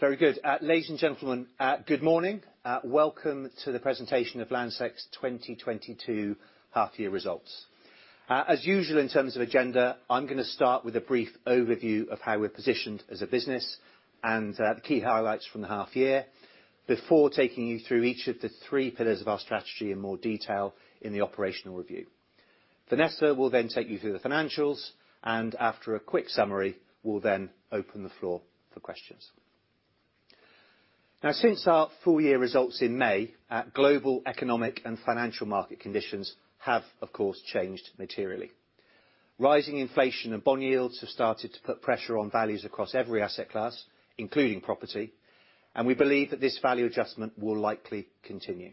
Very good. Ladies and gentlemen, good morning. Welcome to the presentation of Landsec's 2022 half year results. As usual, in terms of agenda, I'm gonna start with a brief overview of how we're positioned as a business, and the key highlights from the half year before taking you through each of the three pillars of our strategy in more detail in the operational review. Vanessa will then take you through the financials, and after a quick summary, we'll then open the floor for questions. Now, since our full year results in May, our global economic and financial market conditions have, of course, changed materially. Rising inflation and bond yields have started to put pressure on values across every asset class, including property, and we believe that this value adjustment will likely continue.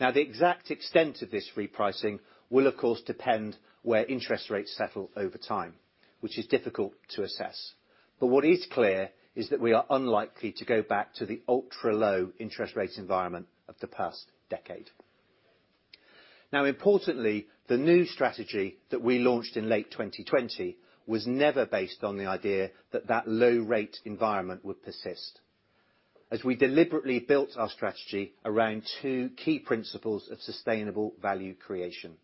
Now, the exact extent of this repricing will, of course, depend where interest rates settle over time, which is difficult to assess. What is clear is that we are unlikely to go back to the ultra-low interest rate environment of the past decade. Now, importantly, the new strategy that we launched in late 2020 was never based on the idea that that low rate environment would persist, as we deliberately built our strategy around two key principles of sustainable value creation.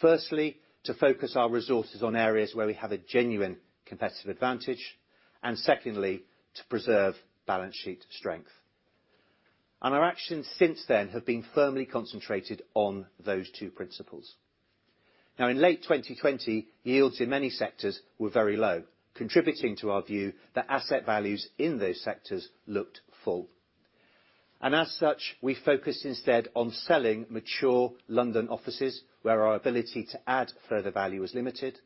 Firstly, to focus our resources on areas where we have a genuine competitive advantage, and secondly, to preserve balance sheet strength. Our actions since then have been firmly concentrated on those two principles. Now, in late 2020, yields in many sectors were very low, contributing to our view that asset values in those sectors looked full. As such, we focused instead on selling mature London offices where our ability to add further value was limited,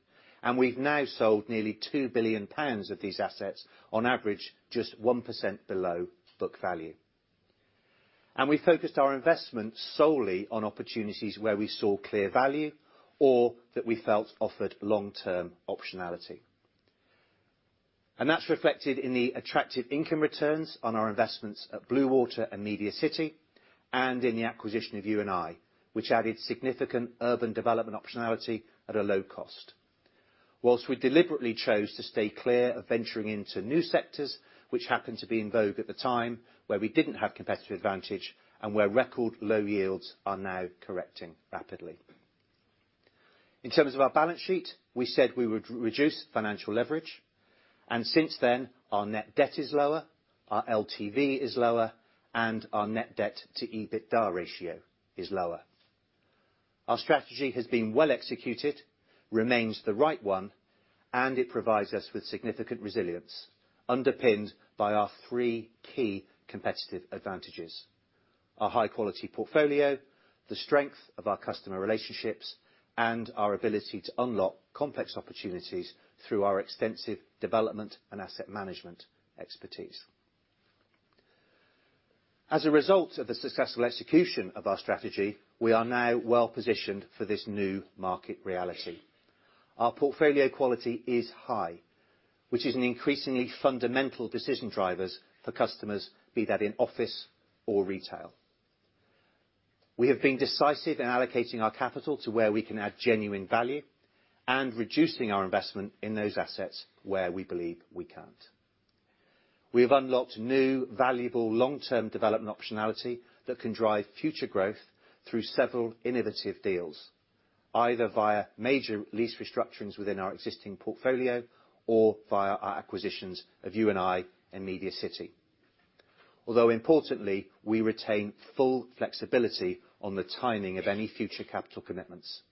and we've now sold nearly 2 billion pounds of these assets, on average, just 1% below book value. We focused our investment solely on opportunities where we saw clear value or that we felt offered long-term optionality. That's reflected in the attractive income returns on our investments at Bluewater and Media City, and in the acquisition of U and I, which added significant urban development optionality at a low cost. While we deliberately chose to stay clear of venturing into new sectors which happened to be in vogue at the time, where we didn't have competitive advantage, and where record low yields are now correcting rapidly. In terms of our balance sheet, we said we would reduce financial leverage, and since then, our net debt is lower, our LTV is lower, and our net debt to EBITDA ratio is lower. Our strategy has been well executed, remains the right one, and it provides us with significant resilience, underpinned by our three key competitive advantages. Our high quality portfolio, the strength of our customer relationships, and our ability to unlock complex opportunities through our extensive development and asset management expertise. As a result of the successful execution of our strategy, we are now well positioned for this new market reality. Our portfolio quality is high, which is an increasingly fundamental decision drivers for customers, be that in office or retail. We have been decisive in allocating our capital to where we can add genuine value, and reducing our investment in those assets where we believe we can't. We have unlocked new, valuable, long-term development optionality that can drive future growth through several innovative deals, either via major lease restructurings within our existing portfolio or via our acquisitions of U&I and Media City. Although importantly, we retain full flexibility on the timing of any future capital commitments.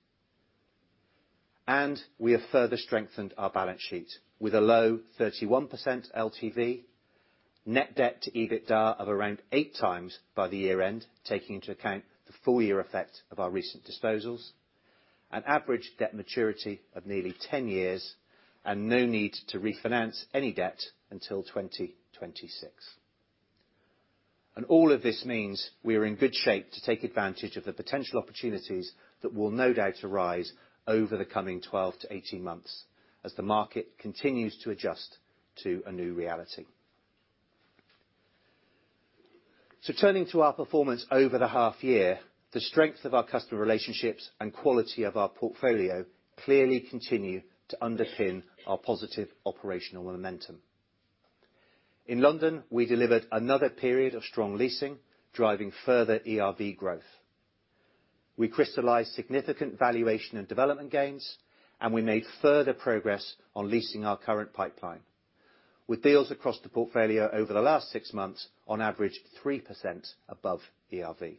We have further strengthened our balance sheet with a low 31% LTV, net debt to EBITDA of around 8x by the year end, taking into account the full year effect of our recent disposals, an average debt maturity of nearly 10 years, and no need to refinance any debt until 2026. All of this means we are in good shape to take advantage of the potential opportunities that will no doubt arise over the coming 12-18 months as the market continues to adjust to a new reality. Turning to our performance over the half year, the strength of our customer relationships and quality of our portfolio clearly continue to underpin our positive operational momentum. In London, we delivered another period of strong leasing, driving further ERV growth. We crystallized significant valuation and development gains, and we made further progress on leasing our current pipeline, with deals across the portfolio over the last six months on average 3% above ERV.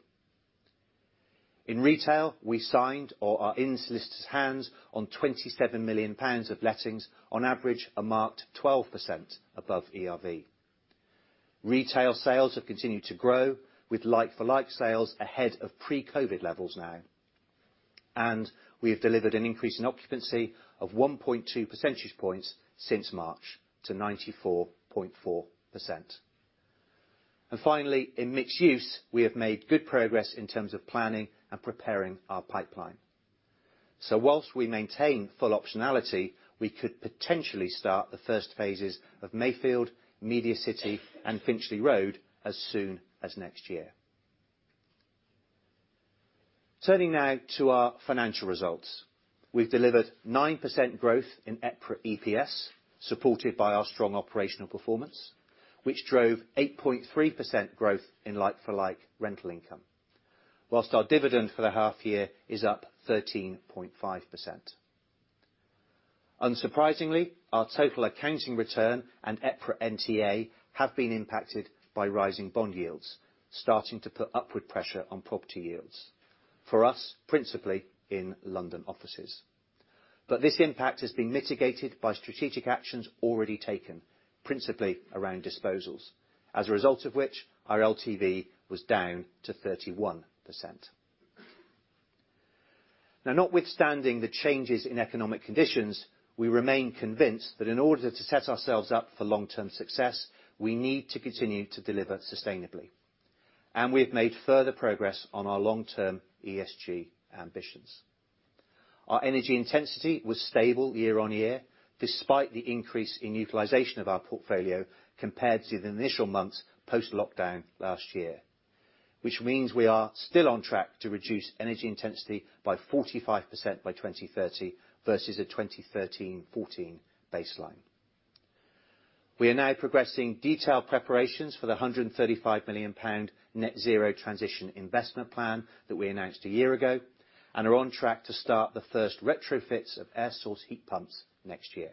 In retail, we signed or are in solicitors' hands on 27 million pounds of lettings on average are marked 12% above ERV. Retail sales have continued to grow with like-for-like sales ahead of pre-COVID levels now. We have delivered an increase in occupancy of 1.2 percentage points since March to 94.4%. Finally, in mixed use, we have made good progress in terms of planning and preparing our pipeline. Whilst we maintain full optionality, we could potentially start the first phases of Mayfield, Media City, and Finchley Road as soon as next year. Turning now to our financial results. We've delivered 9% growth in EPRA EPS, supported by our strong operational performance, which drove 8.3% growth in like-for-like rental income. Whilst our dividend for the half year is up 13.5%. Unsurprisingly, our total accounting return and EPRA NTA have been impacted by rising bond yields, starting to put upward pressure on property yields, for us, principally in London offices. This impact has been mitigated by strategic actions already taken, principally around disposals, as a result of which our LTV was down to 31%. Now, notwithstanding the changes in economic conditions, we remain convinced that in order to set ourselves up for long-term success, we need to continue to deliver sustainably. We have made further progress on our long-term ESG ambitions. Our energy intensity was stable year-on-year, despite the increase in utilization of our portfolio compared to the initial months post-lockdown last year, which means we are still on track to reduce energy intensity by 45% by 2030 versus a 2013-2014 baseline. We are now progressing detailed preparations for the 135 million pound net zero transition investment plan that we announced a year ago, and are on track to start the first retrofits of air source heat pumps next year.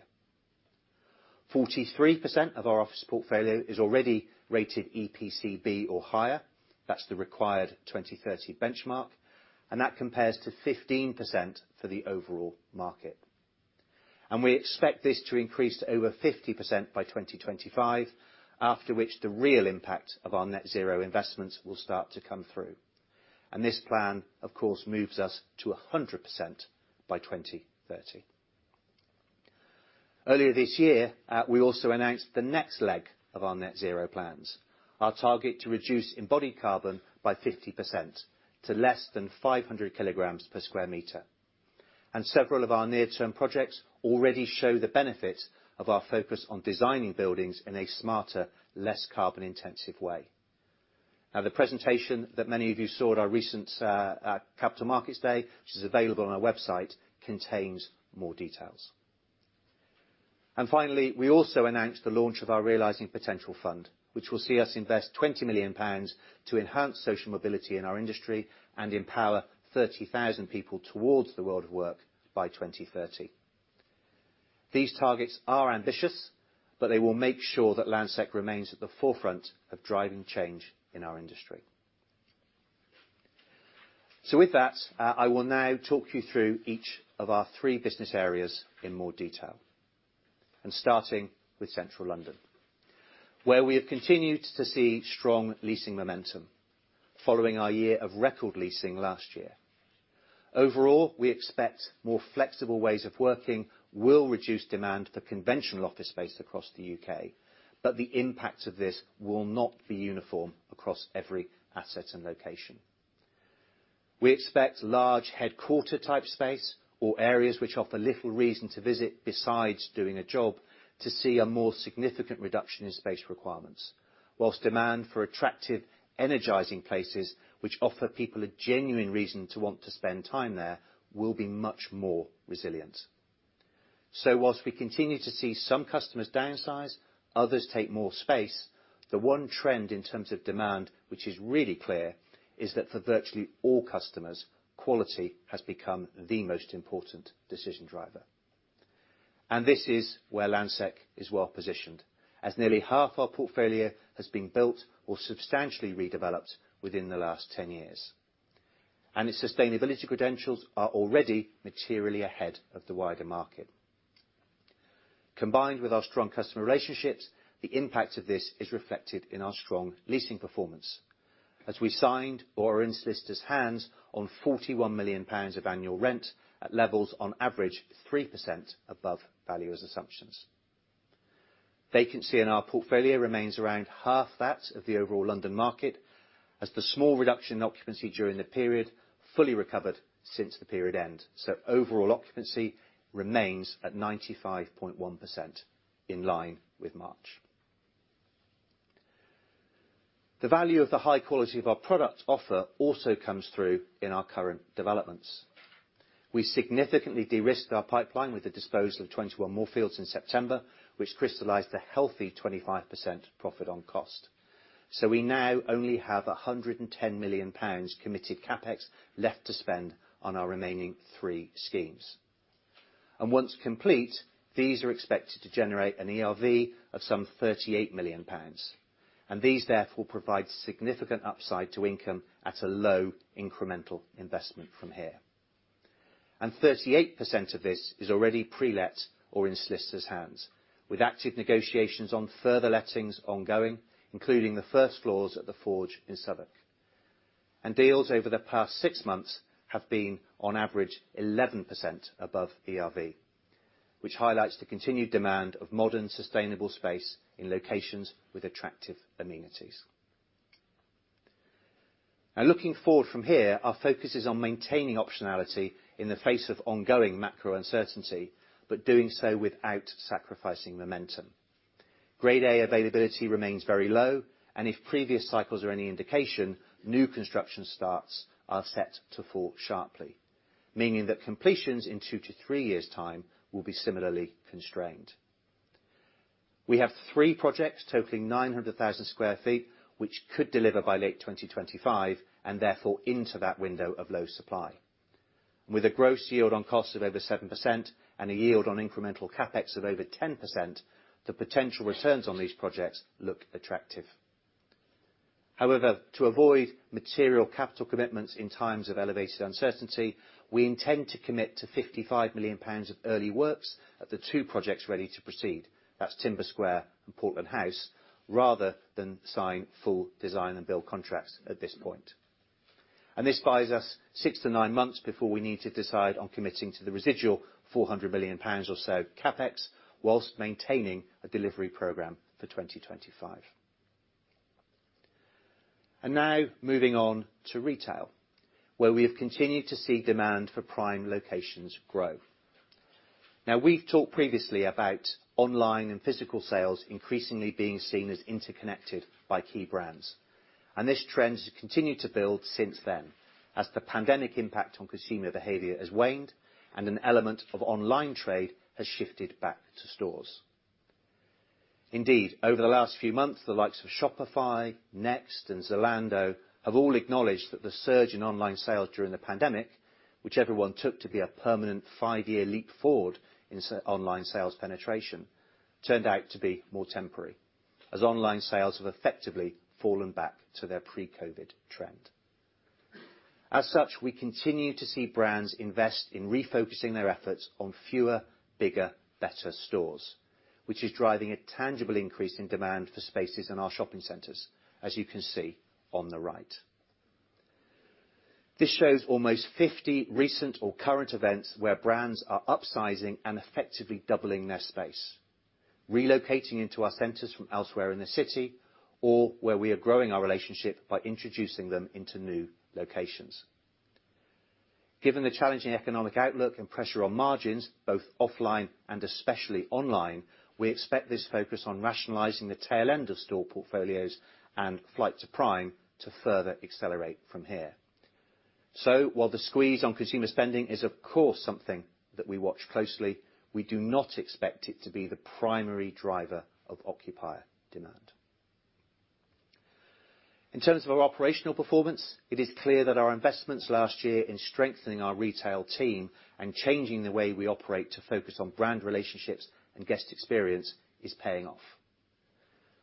43% of our office portfolio is already rated EPC B or higher. That's the required 2030 benchmark, and that compares to 15% for the overall market. We expect this to increase to over 50% by 2025, after which the real impact of our net zero investments will start to come through. This plan, of course, moves us to 100% by 2030. Earlier this year, we also announced the next leg of our net zero plans, our target to reduce embodied carbon by 50% to less than 500 kg per sq m. Several of our near-term projects already show the benefit of our focus on designing buildings in a smarter, less carbon-intensive way. Now, the presentation that many of you saw at our recent Capital Markets Day, which is available on our website, contains more details. Finally, we also announced the launch of our Realising Potential fund, which will see us invest 20 million pounds to enhance social mobility in our industry and empower 30,000 people towards the world of work by 2030. These targets are ambitious, but they will make sure that Landsec remains at the forefront of driving change in our industry. With that, I will now talk you through each of our three business areas in more detail. Starting with Central London, where we have continued to see strong leasing momentum following our year of record leasing last year. Overall, we expect more flexible ways of working will reduce demand for conventional office space across the U.K., but the impact of this will not be uniform across every asset and location. We expect large headquarter type space or areas which offer little reason to visit besides doing a job to see a more significant reduction in space requirements. Whilst demand for attractive, energizing places which offer people a genuine reason to want to spend time there will be much more resilient. While we continue to see some customers downsize, others take more space, the one trend in terms of demand, which is really clear, is that for virtually all customers, quality has become the most important decision driver. This is where Landsec is well positioned, as nearly half our portfolio has been built or substantially redeveloped within the last 10 years. Its sustainability credentials are already materially ahead of the wider market. Combined with our strong customer relationships, the impact of this is reflected in our strong leasing performance. As we signed or are in solicitor's hands on 41 million pounds of annual rent at levels on average 3% above valuer's assumptions. Vacancy in our portfolio remains around half that of the overall London market as the small reduction in occupancy during the period fully recovered since the period end. Overall occupancy remains at 95.1% in line with March. The value of the high quality of our product offer also comes through in our current developments. We significantly de-risked our pipeline with the disposal of 21 Moorfields in September, which crystallized a healthy 25% profit on cost. We now only have 110 million pounds committed CapEx left to spend on our remaining three schemes. Once complete, these are expected to generate an ERV of some 38 million pounds. These, therefore, provide significant upside to income at a low incremental investment from here. 38% of this is already pre-let or in solicitor's hands, with active negotiations on further lettings ongoing, including the first floors at The Forge in Southwark. Deals over the past six months have been on average 11% above ERV, which highlights the continued demand of modern, sustainable space in locations with attractive amenities. Now, looking forward from here, our focus is on maintaining optionality in the face of ongoing macro uncertainty, but doing so without sacrificing momentum. Grade A availability remains very low, and if previous cycles are any indication, new construction starts are set to fall sharply, meaning that completions in two to three years' time will be similarly constrained. We have three projects totaling 900,000 sq ft which could deliver by late 2025, and therefore into that window of low supply. With a gross yield on costs of over 7% and a yield on incremental CapEx of over 10%, the potential returns on these projects look attractive. However, to avoid material capital commitments in times of elevated uncertainty, we intend to commit to 55 million pounds of early works at the two projects ready to proceed, that's Timber Square and Portland House, rather than sign full design-and-build contracts at this point. This buys us 6-9 months before we need to decide on committing to the residual 400 million pounds or so CapEx while maintaining a delivery program for 2025. Now moving on to retail, where we have continued to see demand for prime locations grow. Now, we've talked previously about online and physical sales increasingly being seen as interconnected by key brands. This trend has continued to build since then, as the pandemic impact on consumer behavior has waned and an element of online trade has shifted back to stores. Indeed, over the last few months, the likes of Shopify, Next, and Zalando have all acknowledged that the surge in online sales during the pandemic, which everyone took to be a permanent five-year leap forward in online sales penetration, turned out to be more temporary, as online sales have effectively fallen back to their pre-COVID trend. As such, we continue to see brands invest in refocusing their efforts on fewer, bigger, better stores, which is driving a tangible increase in demand for spaces in our shopping centers, as you can see on the right. This shows almost 50 recent or current events where brands are upsizing and effectively doubling their space, relocating into our centers from elsewhere in the city, or where we are growing our relationship by introducing them into new locations. Given the challenging economic outlook and pressure on margins, both offline and especially online, we expect this focus on rationalizing the tail end of store portfolios and flight to prime to further accelerate from here. While the squeeze on consumer spending is of course something that we watch closely, we do not expect it to be the primary driver of occupier demand. In terms of our operational performance, it is clear that our investments last year in strengthening our retail team and changing the way we operate to focus on brand relationships and guest experience is paying off.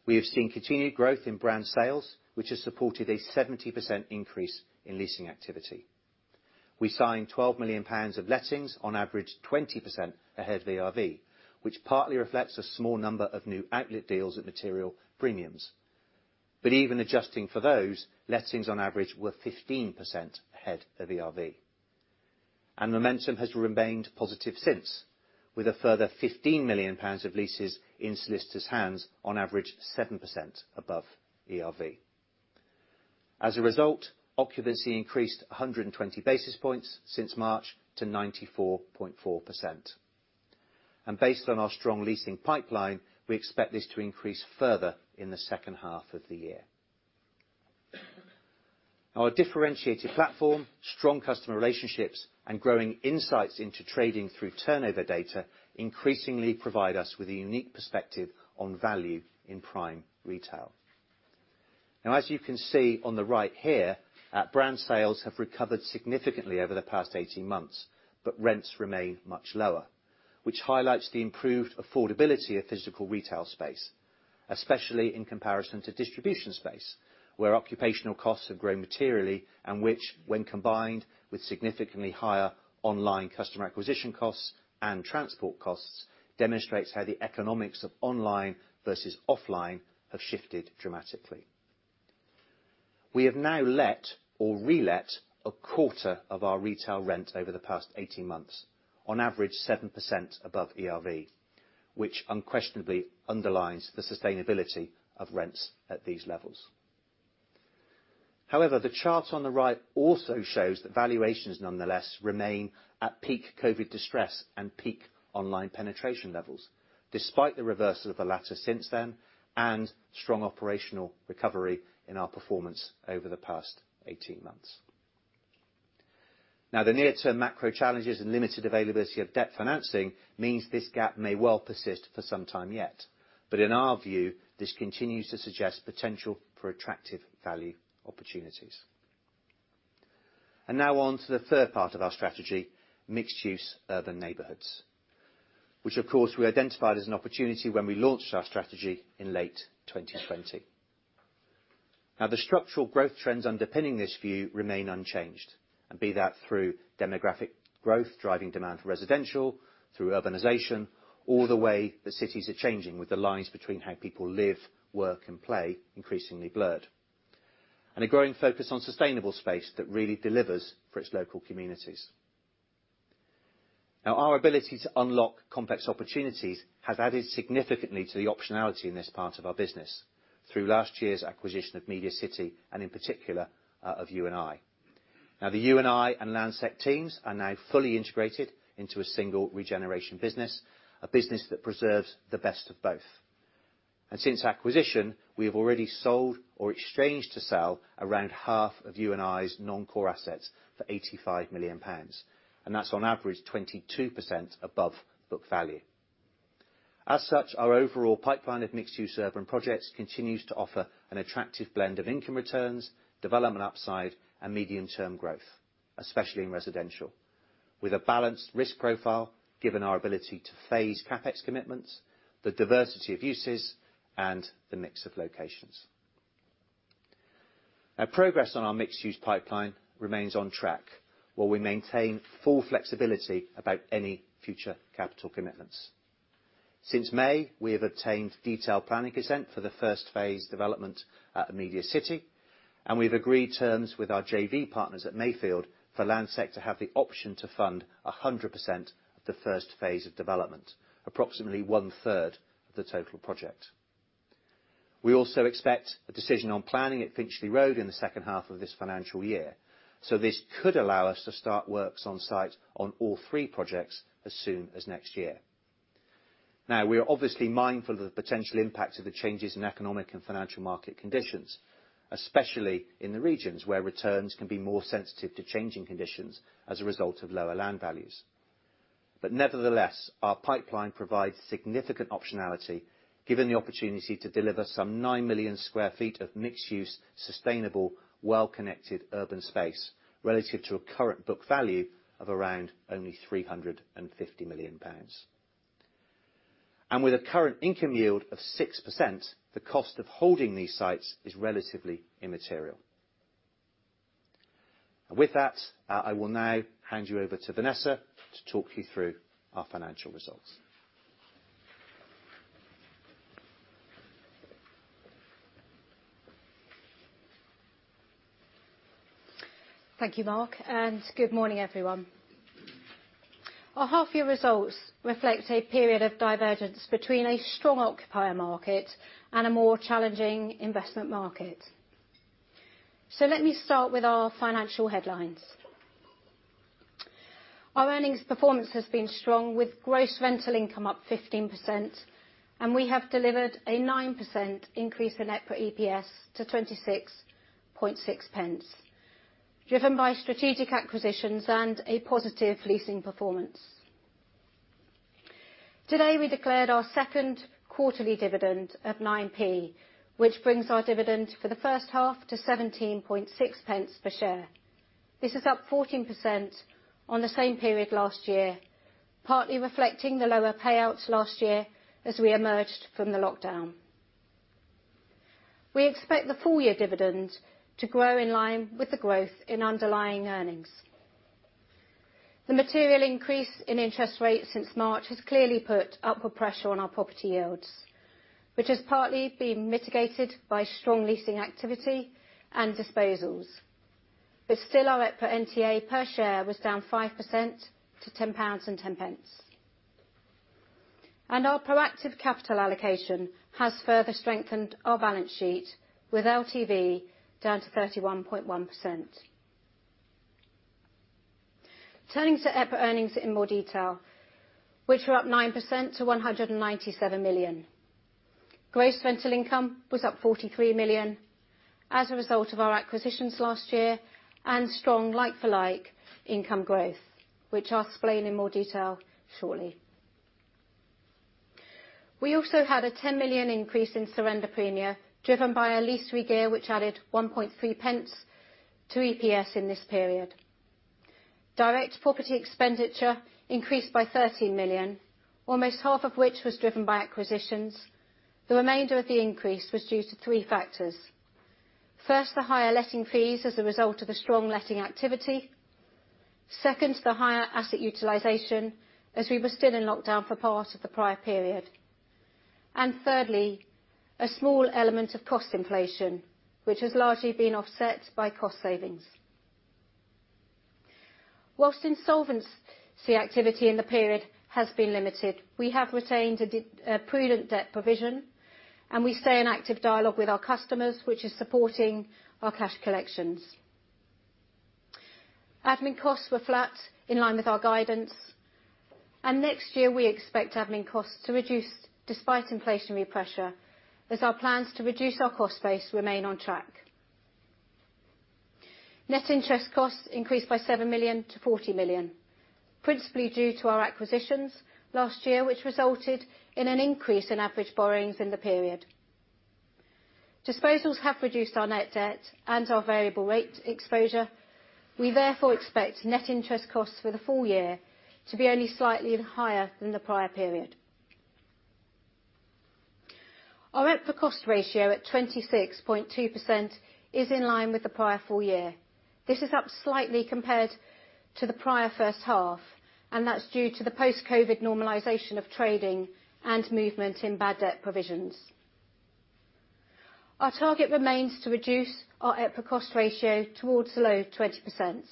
We have seen continued growth in brand sales, which has supported a 70% increase in leasing activity. We signed 12 million pounds of lettings on average 20% ahead of ERV, which partly reflects a small number of new outlet deals at material premiums. Even adjusting for those, lettings on average were 15% ahead of ERV. Momentum has remained positive since, with a further 15 million pounds of leases in solicitor's hands on average 7% above ERV. As a result, occupancy increased 120 basis points since March to 94.4%. Based on our strong leasing pipeline, we expect this to increase further in the H2 of the year. Our differentiated platform, strong customer relationships, and growing insights into trading through turnover data increasingly provide us with a unique perspective on value in prime retail. Now, as you can see on the right here, our brand sales have recovered significantly over the past 18 months, but rents remain much lower, which highlights the improved affordability of physical retail space, especially in comparison to distribution space, where occupational costs have grown materially and which, when combined with significantly higher online customer acquisition costs and transport costs, demonstrates how the economics of online versus offline have shifted dramatically. We have now let or relet a quarter of our retail rent over the past 18 months, on average 7% above ERV, which unquestionably underlines the sustainability of rents at these levels. However, the chart on the right also shows that valuations nonetheless remain at peak COVID distress and peak online penetration levels, despite the reversal of the latter since then and strong operational recovery in our performance over the past 18 months. Now, the near-term macro challenges and limited availability of debt financing means this gap may well persist for some time yet. In our view, this continues to suggest potential for attractive value opportunities. Now on to the third part of our strategy, mixed-use urban neighborhoods, which of course we identified as an opportunity when we launched our strategy in late 2020. Now, the structural growth trends underpinning this view remain unchanged, and be it through demographic growth driving demand for residential, through urbanization, or the way that cities are changing with the lines between how people live, work, and play increasingly blurred, and a growing focus on sustainable space that really delivers for its local communities. Our ability to unlock complex opportunities has added significantly to the optionality in this part of our business through last year's acquisition of U and I, and in particular, of U and I. The U and I and Landsec teams are now fully integrated into a single regeneration business, a business that preserves the best of both. Since acquisition, we have already sold or exchanged to sell around half of U and I's non-core assets for 85 million pounds, and that's on average 22% above book value. Our overall pipeline of mixed-use urban projects continues to offer an attractive blend of income returns, development upside, and medium-term growth, especially in residential. With a balanced risk profile, given our ability to phase CapEx commitments, the diversity of uses, and the mix of locations. Our progress on our mixed-use pipeline remains on track, while we maintain full flexibility about any future capital commitments. Since May, we have obtained detailed planning consent for the first phase development at the Media City, and we've agreed terms with our JV partners at Mayfield for Landsec to have the option to fund 100% of the first phase of development, approximately one-third of the total project. We also expect a decision on planning at Finchley Road in the H2 of this financial year, so this could allow us to start works on site on all three projects as soon as next year. Now, we are obviously mindful of the potential impact of the changes in economic and financial market conditions, especially in the regions where returns can be more sensitive to changing conditions as a result of lower land values. Nevertheless, our pipeline provides significant optionality, given the opportunity to deliver some 9 million sq ft of mixed-use, sustainable, well-connected urban space, relative to a current book value of around only 350 million pounds. With a current income yield of 6%, the cost of holding these sites is relatively immaterial. With that, I will now hand you over to Vanessa to talk you through our financial results. Thank you, Mark, and good morning, everyone. Our half year results reflect a period of divergence between a strong occupier market and a more challenging investment market. Let me start with our financial headlines. Our earnings performance has been strong with gross rental income up 15%, and we have delivered a 9% increase in EPRA EPS to 0.266, driven by strategic acquisitions and a positive leasing performance. Today, we declared our Q2ly dividend of 0.09, which brings our dividend for the H1 to 0.176 per share. This is up 14% on the same period last year, partly reflecting the lower payouts last year as we emerged from the lockdown. We expect the full year dividends to grow in line with the growth in underlying earnings. The material increase in interest rates since March has clearly put upward pressure on our property yields, which has partly been mitigated by strong leasing activity and disposals. Still, our EPRA NTA per share was down 5% to 10.10 pounds. Our proactive capital allocation has further strengthened our balance sheet with LTV down to 31.1%. Turning to EPRA earnings in more detail, which were up 9% to 197 million. Gross rental income was up 43 million as a result of our acquisitions last year and strong like-for-like income growth, which I'll explain in more detail shortly. We also had a 10 million increase in surrender premia, driven by our lease regear, which added 0.013 to EPS in this period. Direct property expenditure increased by 13 million, almost half of which was driven by acquisitions. The remainder of the increase was due to three factors. First, the higher letting fees as a result of the strong letting activity. Second, the higher asset utilization, as we were still in lockdown for part of the prior period. Thirdly, a small element of cost inflation, which has largely been offset by cost savings. While insolvency activity in the period has been limited, we have retained a prudent debt provision, and we stay in active dialogue with our customers, which is supporting our cash collections. Admin costs were flat in line with our guidance, and next year we expect admin costs to reduce despite inflationary pressure, as our plans to reduce our cost base remain on track. Net interest costs increased by 7 million to 40 million, principally due to our acquisitions last year, which resulted in an increase in average borrowings in the period. Disposals have reduced our net debt and our variable rate exposure. We therefore expect net interest costs for the full year to be only slightly higher than the prior period. Our EPRA cost ratio at 26.2% is in line with the prior full year. This is up slightly compared to the prior H1, and that's due to the post-COVID normalization of trading and movement in bad debt provisions. Our target remains to reduce our EPRA cost ratio towards the low 20%.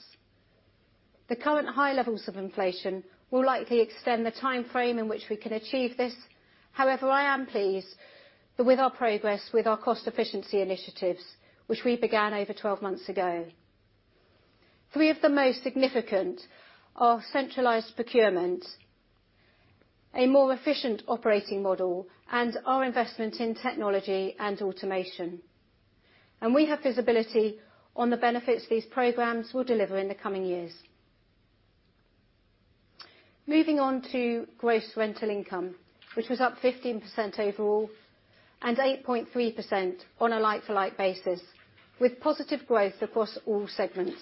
The current high levels of inflation will likely extend the timeframe in which we can achieve this. However, I am pleased with our progress with our cost efficiency initiatives, which we began over 12 months ago. Three of the most significant are centralized procurement, a more efficient operating model, and our investment in technology and automation. We have visibility on the benefits these programs will deliver in the coming years. Moving on to gross rental income, which was up 15% overall and 8.3% on a like-for-like basis, with positive growth across all segments.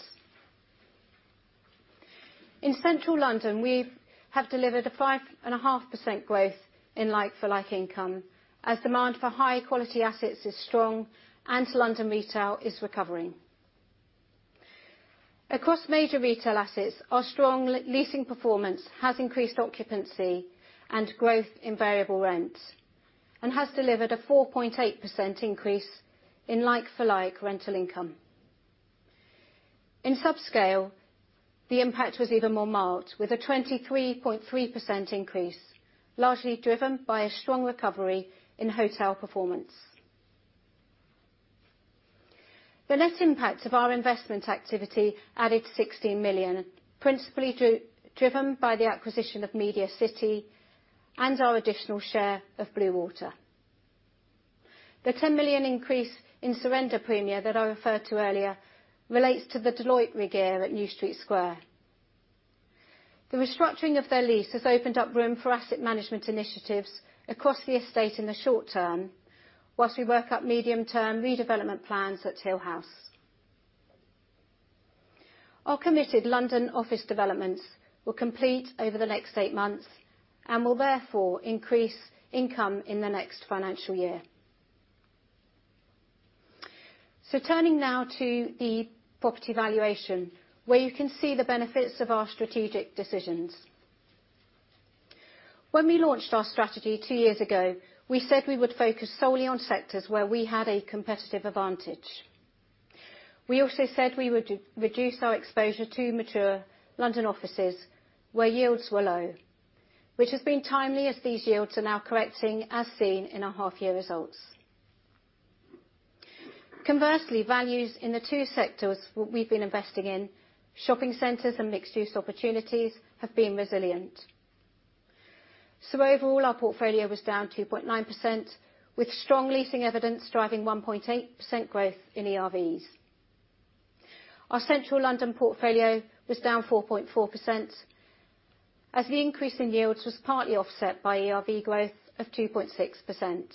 In central London, we have delivered a 5.5% growth in like-for-like income as demand for high-quality assets is strong and London retail is recovering. Across major retail assets, our strong leasing performance has increased occupancy and growth in variable rents, and has delivered a 4.8% increase in like-for-like rental income. In subscale, the impact was even more marked with a 23.3% increase, largely driven by a strong recovery in hotel performance. The net impact of our investment activity added 16 million, principally driven by the acquisition of Media City and our additional share of Bluewater. The 10 million increase in surrender premia that I referred to earlier relates to the Deloitte regear at New Street Square. The restructuring of their lease has opened up room for asset management initiatives across the estate in the short term, while we work up medium-term redevelopment plans at Hill House. Our committed London office developments will complete over the next eight months and will therefore increase income in the next financial year. Turning now to the property valuation, where you can see the benefits of our strategic decisions. When we launched our strategy two years ago, we said we would focus solely on sectors where we had a competitive advantage. We also said we would reduce our exposure to mature London offices where yields were low, which has been timely as these yields are now correcting, as seen in our half-year results. Conversely, values in the two sectors we've been investing in, shopping centers and mixed use opportunities, have been resilient. Overall, our portfolio was down 2.9%, with strong leasing evidence driving 1.8% growth in ERVs. Our central London portfolio was down 4.4% as the increase in yields was partly offset by ERV growth of 2.6%.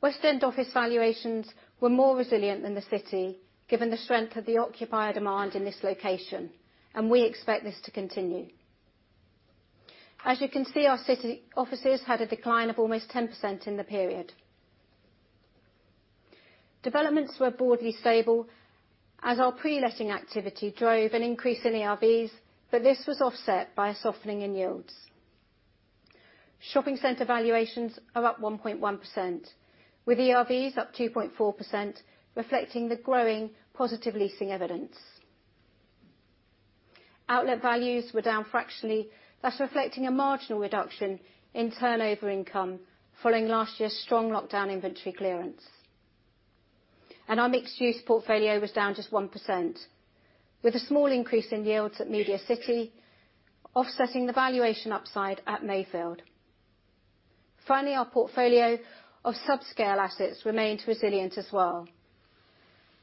West End office valuations were more resilient than the city, given the strength of the occupier demand in this location, and we expect this to continue. As you can see, our city offices had a decline of almost 10% in the period. Developments were broadly stable as our pre-letting activity drove an increase in ERVs, but this was offset by a softening in yields. Shopping center valuations are up 1.1%, with ERVs up 2.4%, reflecting the growing positive leasing evidence. Outlet values were down fractionally, that's reflecting a marginal reduction in turnover income following last year's strong lockdown inventory clearance. Our mixed use portfolio was down just 1%, with a small increase in yields at Media City offsetting the valuation upside at Mayfield. Finally, our portfolio of subscale assets remained resilient as well,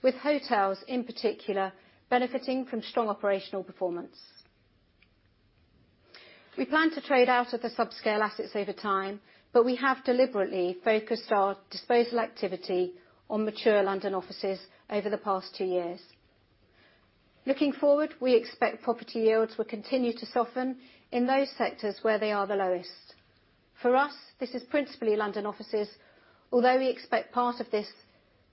with hotels in particular benefiting from strong operational performance. We plan to trade out of the subscale assets over time, but we have deliberately focused our disposal activity on mature London offices over the past two years. Looking forward, we expect property yields will continue to soften in those sectors where they are the lowest. For us, this is principally London offices, although we expect part of this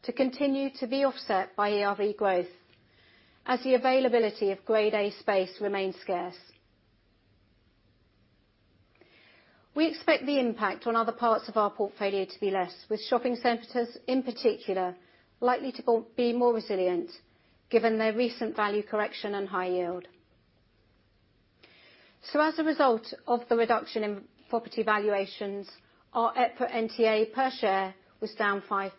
to continue to be offset by ERV growth, as the availability of Grade A space remains scarce. We expect the impact on other parts of our portfolio to be less, with shopping centers in particular likely to be more resilient given their recent value correction and high yield. As a result of the reduction in property valuations, our EPRA NTA per share was down 5%.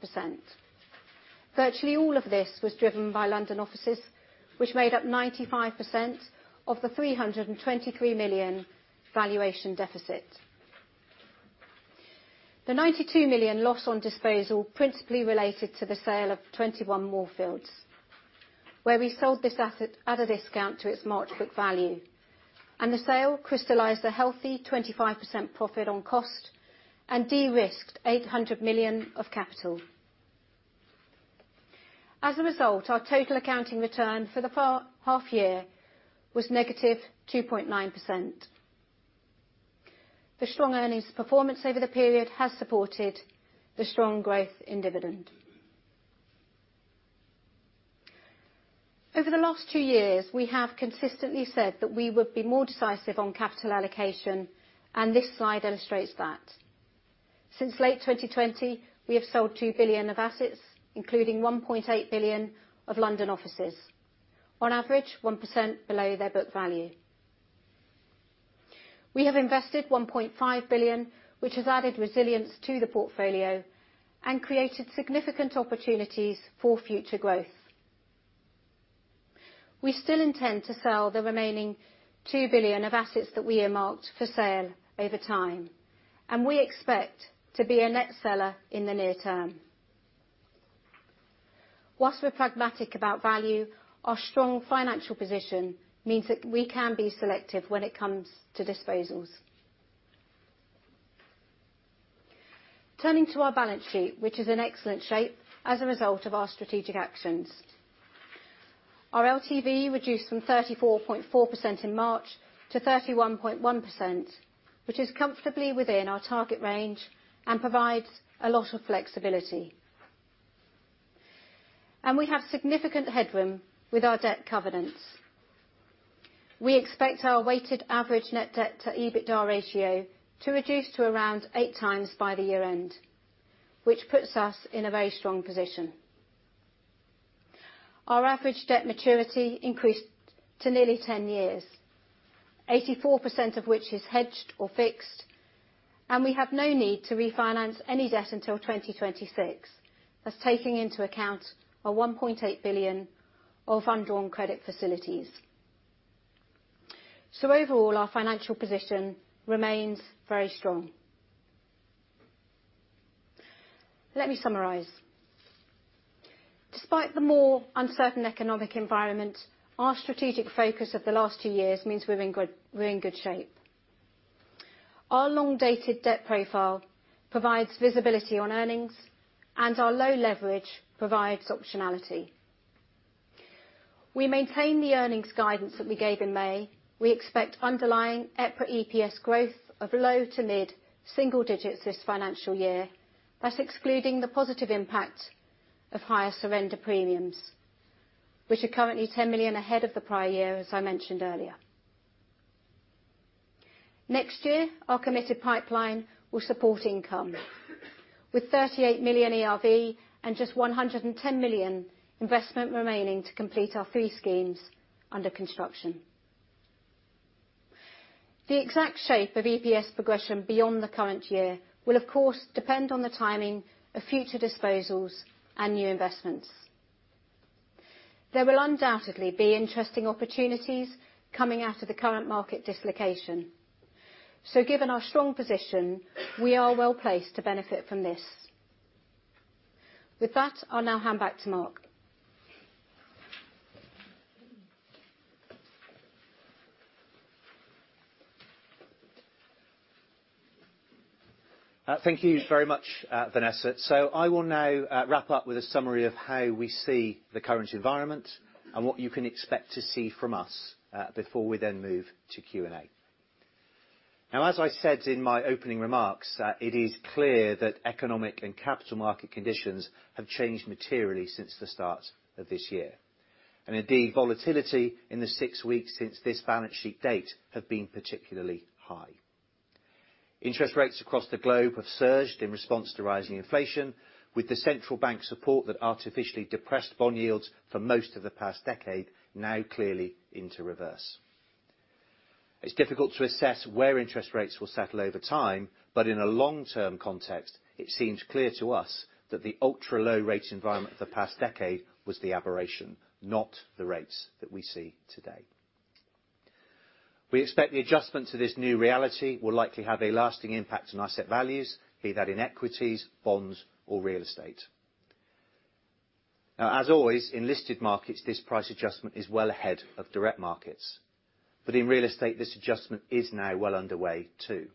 Virtually all of this was driven by London offices, which made up 95% of the 323 million valuation deficit. The 92 million loss on disposal principally related to the sale of 21 Moorfields, where we sold this asset at a discount to its March book value. The sale crystallized a healthy 25% profit on cost and de-risked 800 million of capital. As a result, our total accounting return for the H1 year was negative 2.9%. The strong earnings performance over the period has supported the strong growth in dividend. Over the last two years, we have consistently said that we would be more decisive on capital allocation, and this slide illustrates that. Since late 2020, we have sold 2 billion of assets, including 1.8 billion of London offices. On average, 1% below their book value. We have invested 1.5 billion, which has added resilience to the portfolio and created significant opportunities for future growth. We still intend to sell the remaining 2 billion of assets that we earmarked for sale over time, and we expect to be a net seller in the near term. Whilst we're pragmatic about value, our strong financial position means that we can be selective when it comes to disposals. Turning to our balance sheet, which is in excellent shape as a result of our strategic actions. Our LTV reduced from 34.4% in March to 31.1%, which is comfortably within our target range and provides a lot of flexibility. We have significant headroom with our debt covenants. We expect our weighted average net debt to EBITDA ratio to reduce to around 8x by the year end, which puts us in a very strong position. Our average debt maturity increased to nearly 10 years, 84% of which is hedged or fixed, and we have no need to refinance any debt until 2026, also taking into account 1.8 billion of undrawn credit facilities. Overall, our financial position remains very strong. Let me summarize. Despite the more uncertain economic environment, our strategic focus of the last two years means we're in good shape. Our long-dated debt profile provides visibility on earnings, and our low leverage provides optionality. We maintain the earnings guidance that we gave in May. We expect underlying EPRA EPS growth of low- to mid-single digits% this financial year. That's excluding the positive impact of higher surrender premiums, which are currently 10 million ahead of the prior year, as I mentioned earlier. Next year, our committed pipeline will support income with 38 million ERV and just 110 million investment remaining to complete our three schemes under construction. The exact shape of EPS progression beyond the current year will, of course, depend on the timing of future disposals and new investments. There will undoubtedly be interesting opportunities coming out of the current market dislocation. Given our strong position, we are well placed to benefit from this. With that, I'll now hand back to Mark. Thank you very much, Vanessa. I will now wrap up with a summary of how we see the current environment and what you can expect to see from us, before we then move to Q&A. Now, as I said in my opening remarks, it is clear that economic and capital market conditions have changed materially since the start of this year. Indeed, volatility in the six weeks since this balance sheet date have been particularly high. Interest rates across the globe have surged in response to rising inflation, with the Central Bank support that artificially depressed bond yields for most of the past decade now clearly into reverse. It's difficult to assess where interest rates will settle over time, but in a long-term context, it seems clear to us that the ultra-low rate environment of the past decade was the aberration, not the rates that we see today. We expect the adjustment to this new reality will likely have a lasting impact on our asset values, be that in equities, bonds, or real estate. Now, as always, in listed markets, this price adjustment is well ahead of direct markets. In real estate, this adjustment is now well underway too,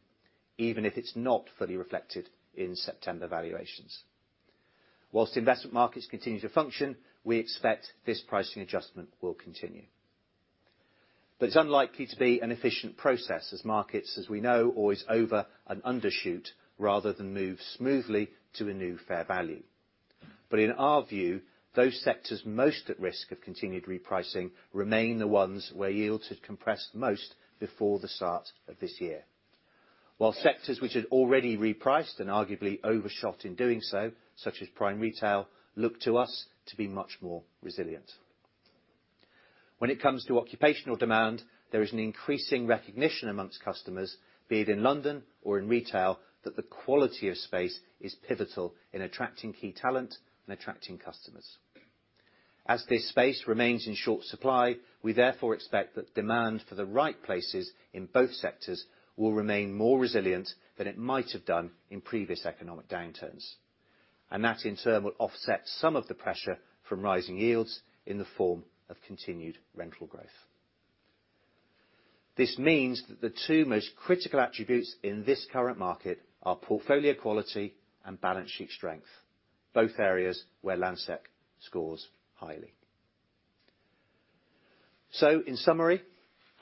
even if it's not fully reflected in September valuations. Whilst investment markets continue to function, we expect this pricing adjustment will continue. It's unlikely to be an efficient process as markets, as we know, always over and undershoot rather than move smoothly to a new fair value. In our view, those sectors most at risk of continued repricing remain the ones where yields had compressed most before the start of this year. While sectors which had already repriced and arguably overshot in doing so, such as prime retail, look to us to be much more resilient. When it comes to occupational demand, there is an increasing recognition among customers, be it in London or in retail, that the quality of space is pivotal in attracting key talent and attracting customers. As this space remains in short supply, we therefore expect that demand for the right places in both sectors will remain more resilient than it might have done in previous economic downturns, and that in turn will offset some of the pressure from rising yields in the form of continued rental growth. This means that the two most critical attributes in this current market are portfolio quality and balance sheet strength, both areas where Landsec scores highly. In summary,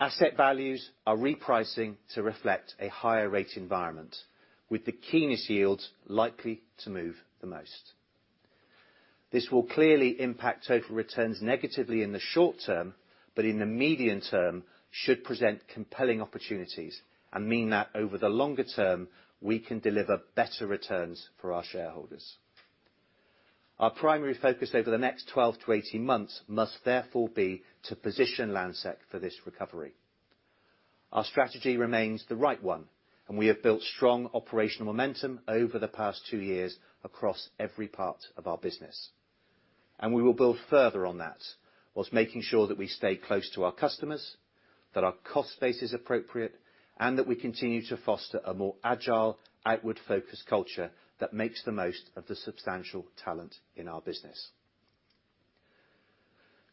asset values are repricing to reflect a higher rate environment with the keenest yields likely to move the most. This will clearly impact total returns negatively in the short term, but in the medium term should present compelling opportunities and mean that over the longer term, we can deliver better returns for our shareholders. Our primary focus over the next 12-18 months must therefore be to position Landsec for this recovery. Our strategy remains the right one, and we have built strong operational momentum over the past two years across every part of our business. We will build further on that while making sure that we stay close to our customers, that our cost base is appropriate, and that we continue to foster a more agile, outward-focused culture that makes the most of the substantial talent in our business.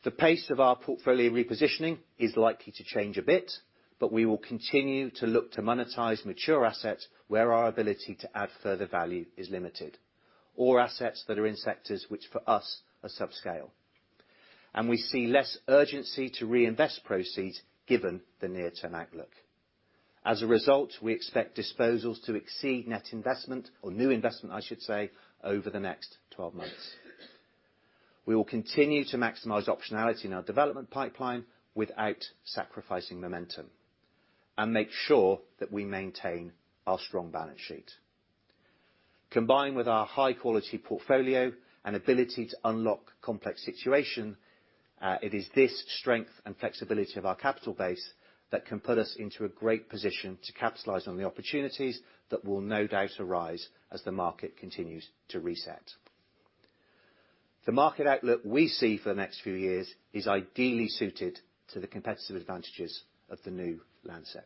The pace of our portfolio repositioning is likely to change a bit, but we will continue to look to monetize mature assets where our ability to add further value is limited, or assets that are in sectors which for us are subscale. We see less urgency to reinvest proceeds given the near-term outlook. As a result, we expect disposals to exceed net investment or new investment, I should say, over the next 12 months. We will continue to maximize optionality in our development pipeline without sacrificing momentum and make sure that we maintain our strong balance sheet. Combined with our high-quality portfolio and ability to unlock complex situation, it is this strength and flexibility of our capital base that can put us into a great position to capitalize on the opportunities that will no doubt arise as the market continues to reset. The market outlook we see for the next few years is ideally suited to the competitive advantages of the new Landsec.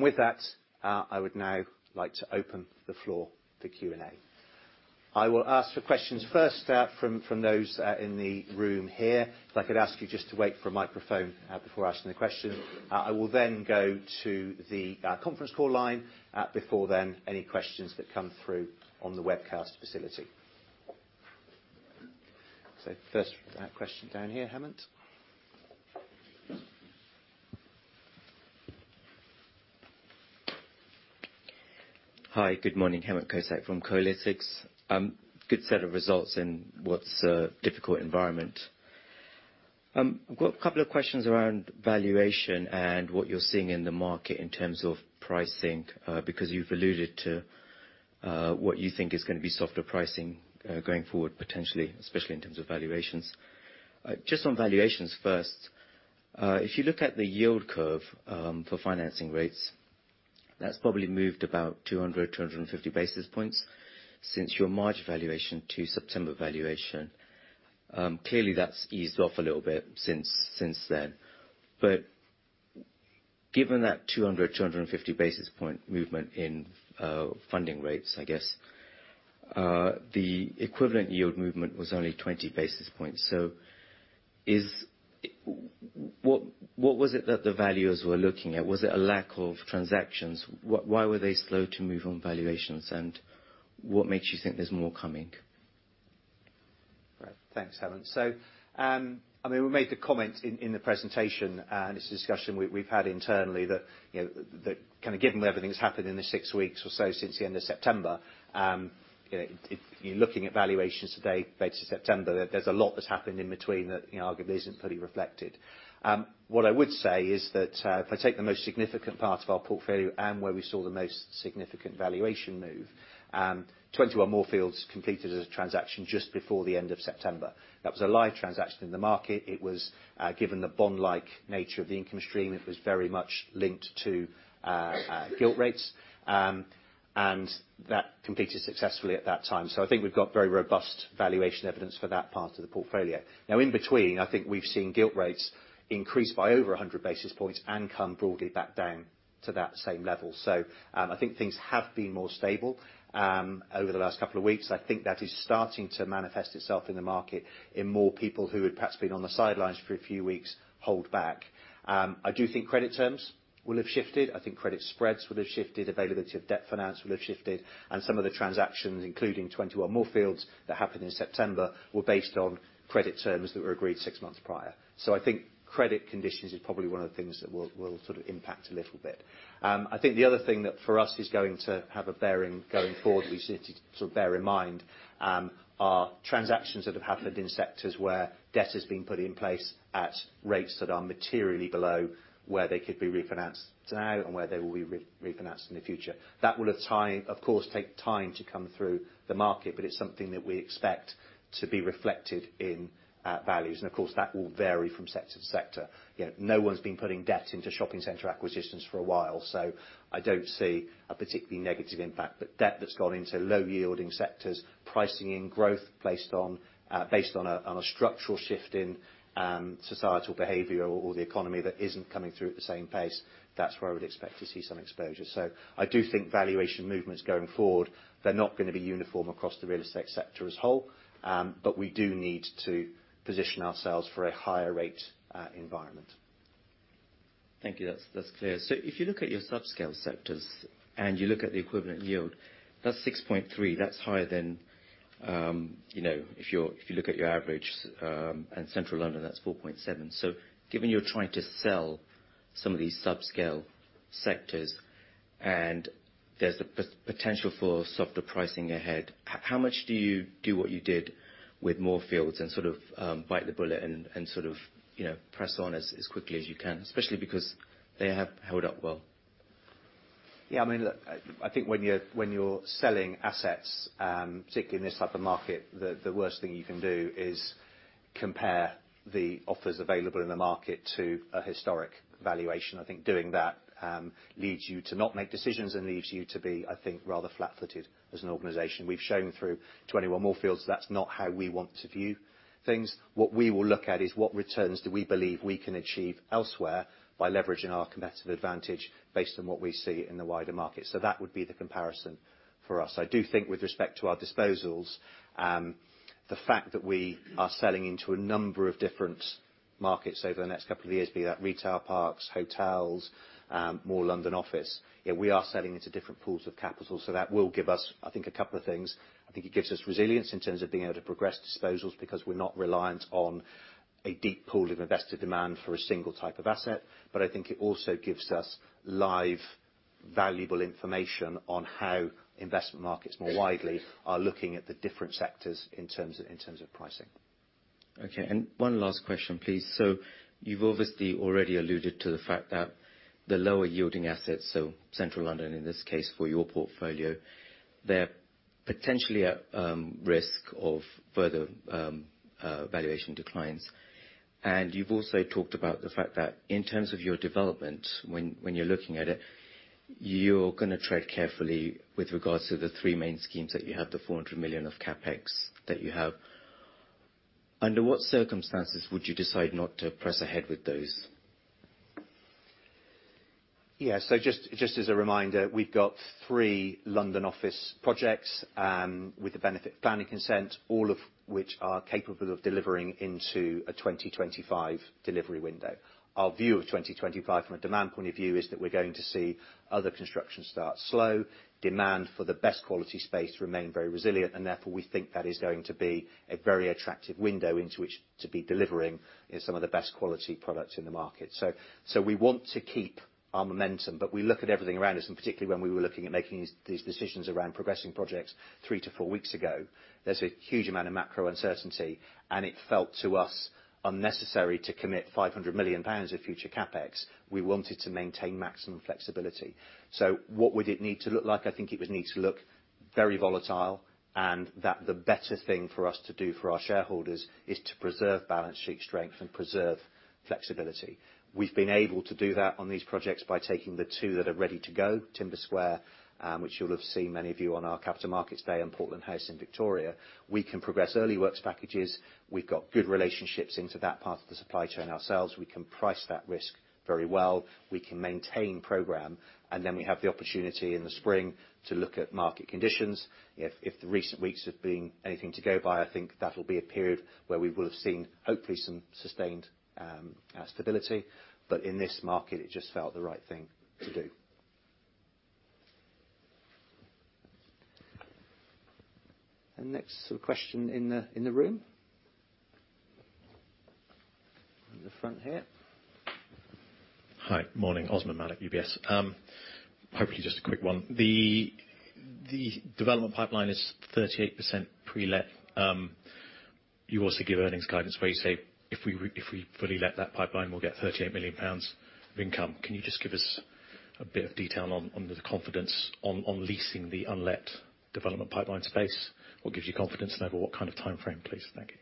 With that, I would now like to open the floor for Q&A. I will ask for questions first from those in the room here. If I could ask you just to wait for a microphone before asking the question. I will then go to the conference call line before then any questions that come through on the webcast facility. First question down here, Hemant. Hi, good morning. Hemant Kaul from Kolytics. Good set of results in what's a difficult environment. I've got a couple of questions around valuation and what you're seeing in the market in terms of pricing, because you've alluded to what you think is gonna be softer pricing going forward, potentially, especially in terms of valuations. Just on valuations first. If you look at the yield curve for financing rates, that's probably moved about 200-250 basis points since your March valuation to September valuation. Clearly that's eased off a little bit since then. Given that 200-250 basis point movement in funding rates, I guess the equivalent yield movement was only 20 basis points. What was it that the valuers were looking at? Was it a lack of transactions? Why were they slow to move on valuations, and what makes you think there's more coming? Right. Thanks, Hemant. I mean, we made the comment in the presentation, and it's a discussion we've had internally, that you know, kinda given everything that's happened in the six weeks or so since the end of September, you know, if you're looking at valuations today compared to September, there's a lot that's happened in between that, you know, arguably isn't fully reflected. What I would say is that, if I take the most significant part of our portfolio and where we saw the most significant valuation move, Twenty One Moorfields completed a transaction just before the end of September. That was a live transaction in the market. It was, given the bond-like nature of the income stream. It was very much linked to gilt rates. And that completed successfully at that time. I think we've got very robust valuation evidence for that part of the portfolio. Now in between, I think we've seen gilt rates increase by over 100 basis points and come broadly back down to that same level. I think things have been more stable over the last couple of weeks. I think that is starting to manifest itself in the market in more people who had perhaps been on the sidelines for a few weeks hold back. I do think credit terms will have shifted. I think credit spreads would have shifted. Availability of debt finance will have shifted. Some of the transactions, including 21 Moorfields, that happened in September, were based on credit terms that were agreed six months prior. I think credit conditions is probably one of the things that will sort of impact a little bit. I think the other thing that for us is going to have a bearing going forward. We just need to sort of bear in mind are transactions that have happened in sectors where debt has been put in place at rates that are materially below where they could be refinanced now and where they will be re-refinanced in the future. That will, of course, take time to come through the market, but it's something that we expect to be reflected in values. Of course, that will vary from sector to sector. You know, no one's been putting debt into shopping center acquisitions for a while, so I don't see a particularly negative impact. Debt that's gone into low-yielding sectors, pricing in growth based on a structural shift in societal behavior or the economy that isn't coming through at the same pace, that's where I would expect to see some exposure. I do think valuation movements going forward, they're not gonna be uniform across the real estate sector as a whole, but we do need to position ourselves for a higher rate environment. Thank you. That's clear. If you look at your subscale sectors and you look at the equivalent yield, that's 6.3%. That's higher than if you look at your average and Central London, that's 4.7%. Given you're trying to sell some of these subscale sectors, and there's the potential for softer pricing ahead. How much do you do what you did with Moorfields and sort of bite the bullet and sort of press on as quickly as you can, especially because they have held up well? Yeah, I mean, look, I think when you're selling assets, particularly in this type of market, the worst thing you can do is compare the offers available in the market to a historic valuation. I think doing that leads you to not make decisions and leaves you to be, I think, rather flat-footed as an organization. We've shown through 21 more fields, that's not how we want to view things. What we will look at is what returns do we believe we can achieve elsewhere by leveraging our competitive advantage based on what we see in the wider market. That would be the comparison for us. I do think with respect to our disposals, the fact that we are selling into a number of different markets over the next couple of years, be that retail parks, hotels, more London office, yeah, we are selling into different pools of capital, so that will give us, I think, a couple of things. I think it gives us resilience in terms of being able to progress disposals because we're not reliant on a deep pool of investor demand for a single type of asset, but I think it also gives us live, valuable information on how investment markets more widely are looking at the different sectors in terms of pricing. Okay, one last question, please. You've obviously already alluded to the fact that the lower yielding assets, so Central London in this case for your portfolio, they're potentially at risk of further valuation declines. You've also talked about the fact that in terms of your development, when you're looking at it, you're gonna tread carefully with regards to the three main schemes that you have, the 400 million of CapEx that you have. Under what circumstances would you decide not to press ahead with those? Just as a reminder, we've got three London office projects with the benefit of planning consent, all of which are capable of delivering into a 2025 delivery window. Our view of 2025 from a demand point of view is that we're going to see other construction starts slow, demand for the best quality space remain very resilient, and therefore, we think that is going to be a very attractive window into which to be delivering in some of the best quality products in the market. We want to keep our momentum, but we look at everything around us, and particularly when we were looking at making these decisions around progressing projects 3-4 weeks ago, there's a huge amount of macro uncertainty, and it felt to us unnecessary to commit 500 million pounds of future CapEx. We wanted to maintain maximum flexibility. What would it need to look like? I think it would need to look very volatile, and that the better thing for us to do for our shareholders is to preserve balance sheet strength and preserve flexibility. We've been able to do that on these projects by taking the two that are ready to go, Timber Square, which you'll have seen many of you on our Capital Markets Day and Portland House in Victoria. We can progress early works packages. We've got good relationships into that part of the supply chain ourselves. We can price that risk very well. We can maintain program, and then we have the opportunity in the spring to look at market conditions. If the recent weeks have been anything to go by, I think that'll be a period where we will have seen hopefully some sustained stability. In this market, it just felt the right thing to do. Next question in the room. In the front here. Hi. Morning. Osmaan Malik, UBS. Hopefully just a quick one. The development pipeline is 38% pre-let. You also give earnings guidance where you say, "If we fully let that pipeline, we'll get 38 million pounds of income." Can you just give us a bit of detail on the confidence in leasing the unlet development pipeline space? What gives you confidence in that? What kind of timeframe, please? Thank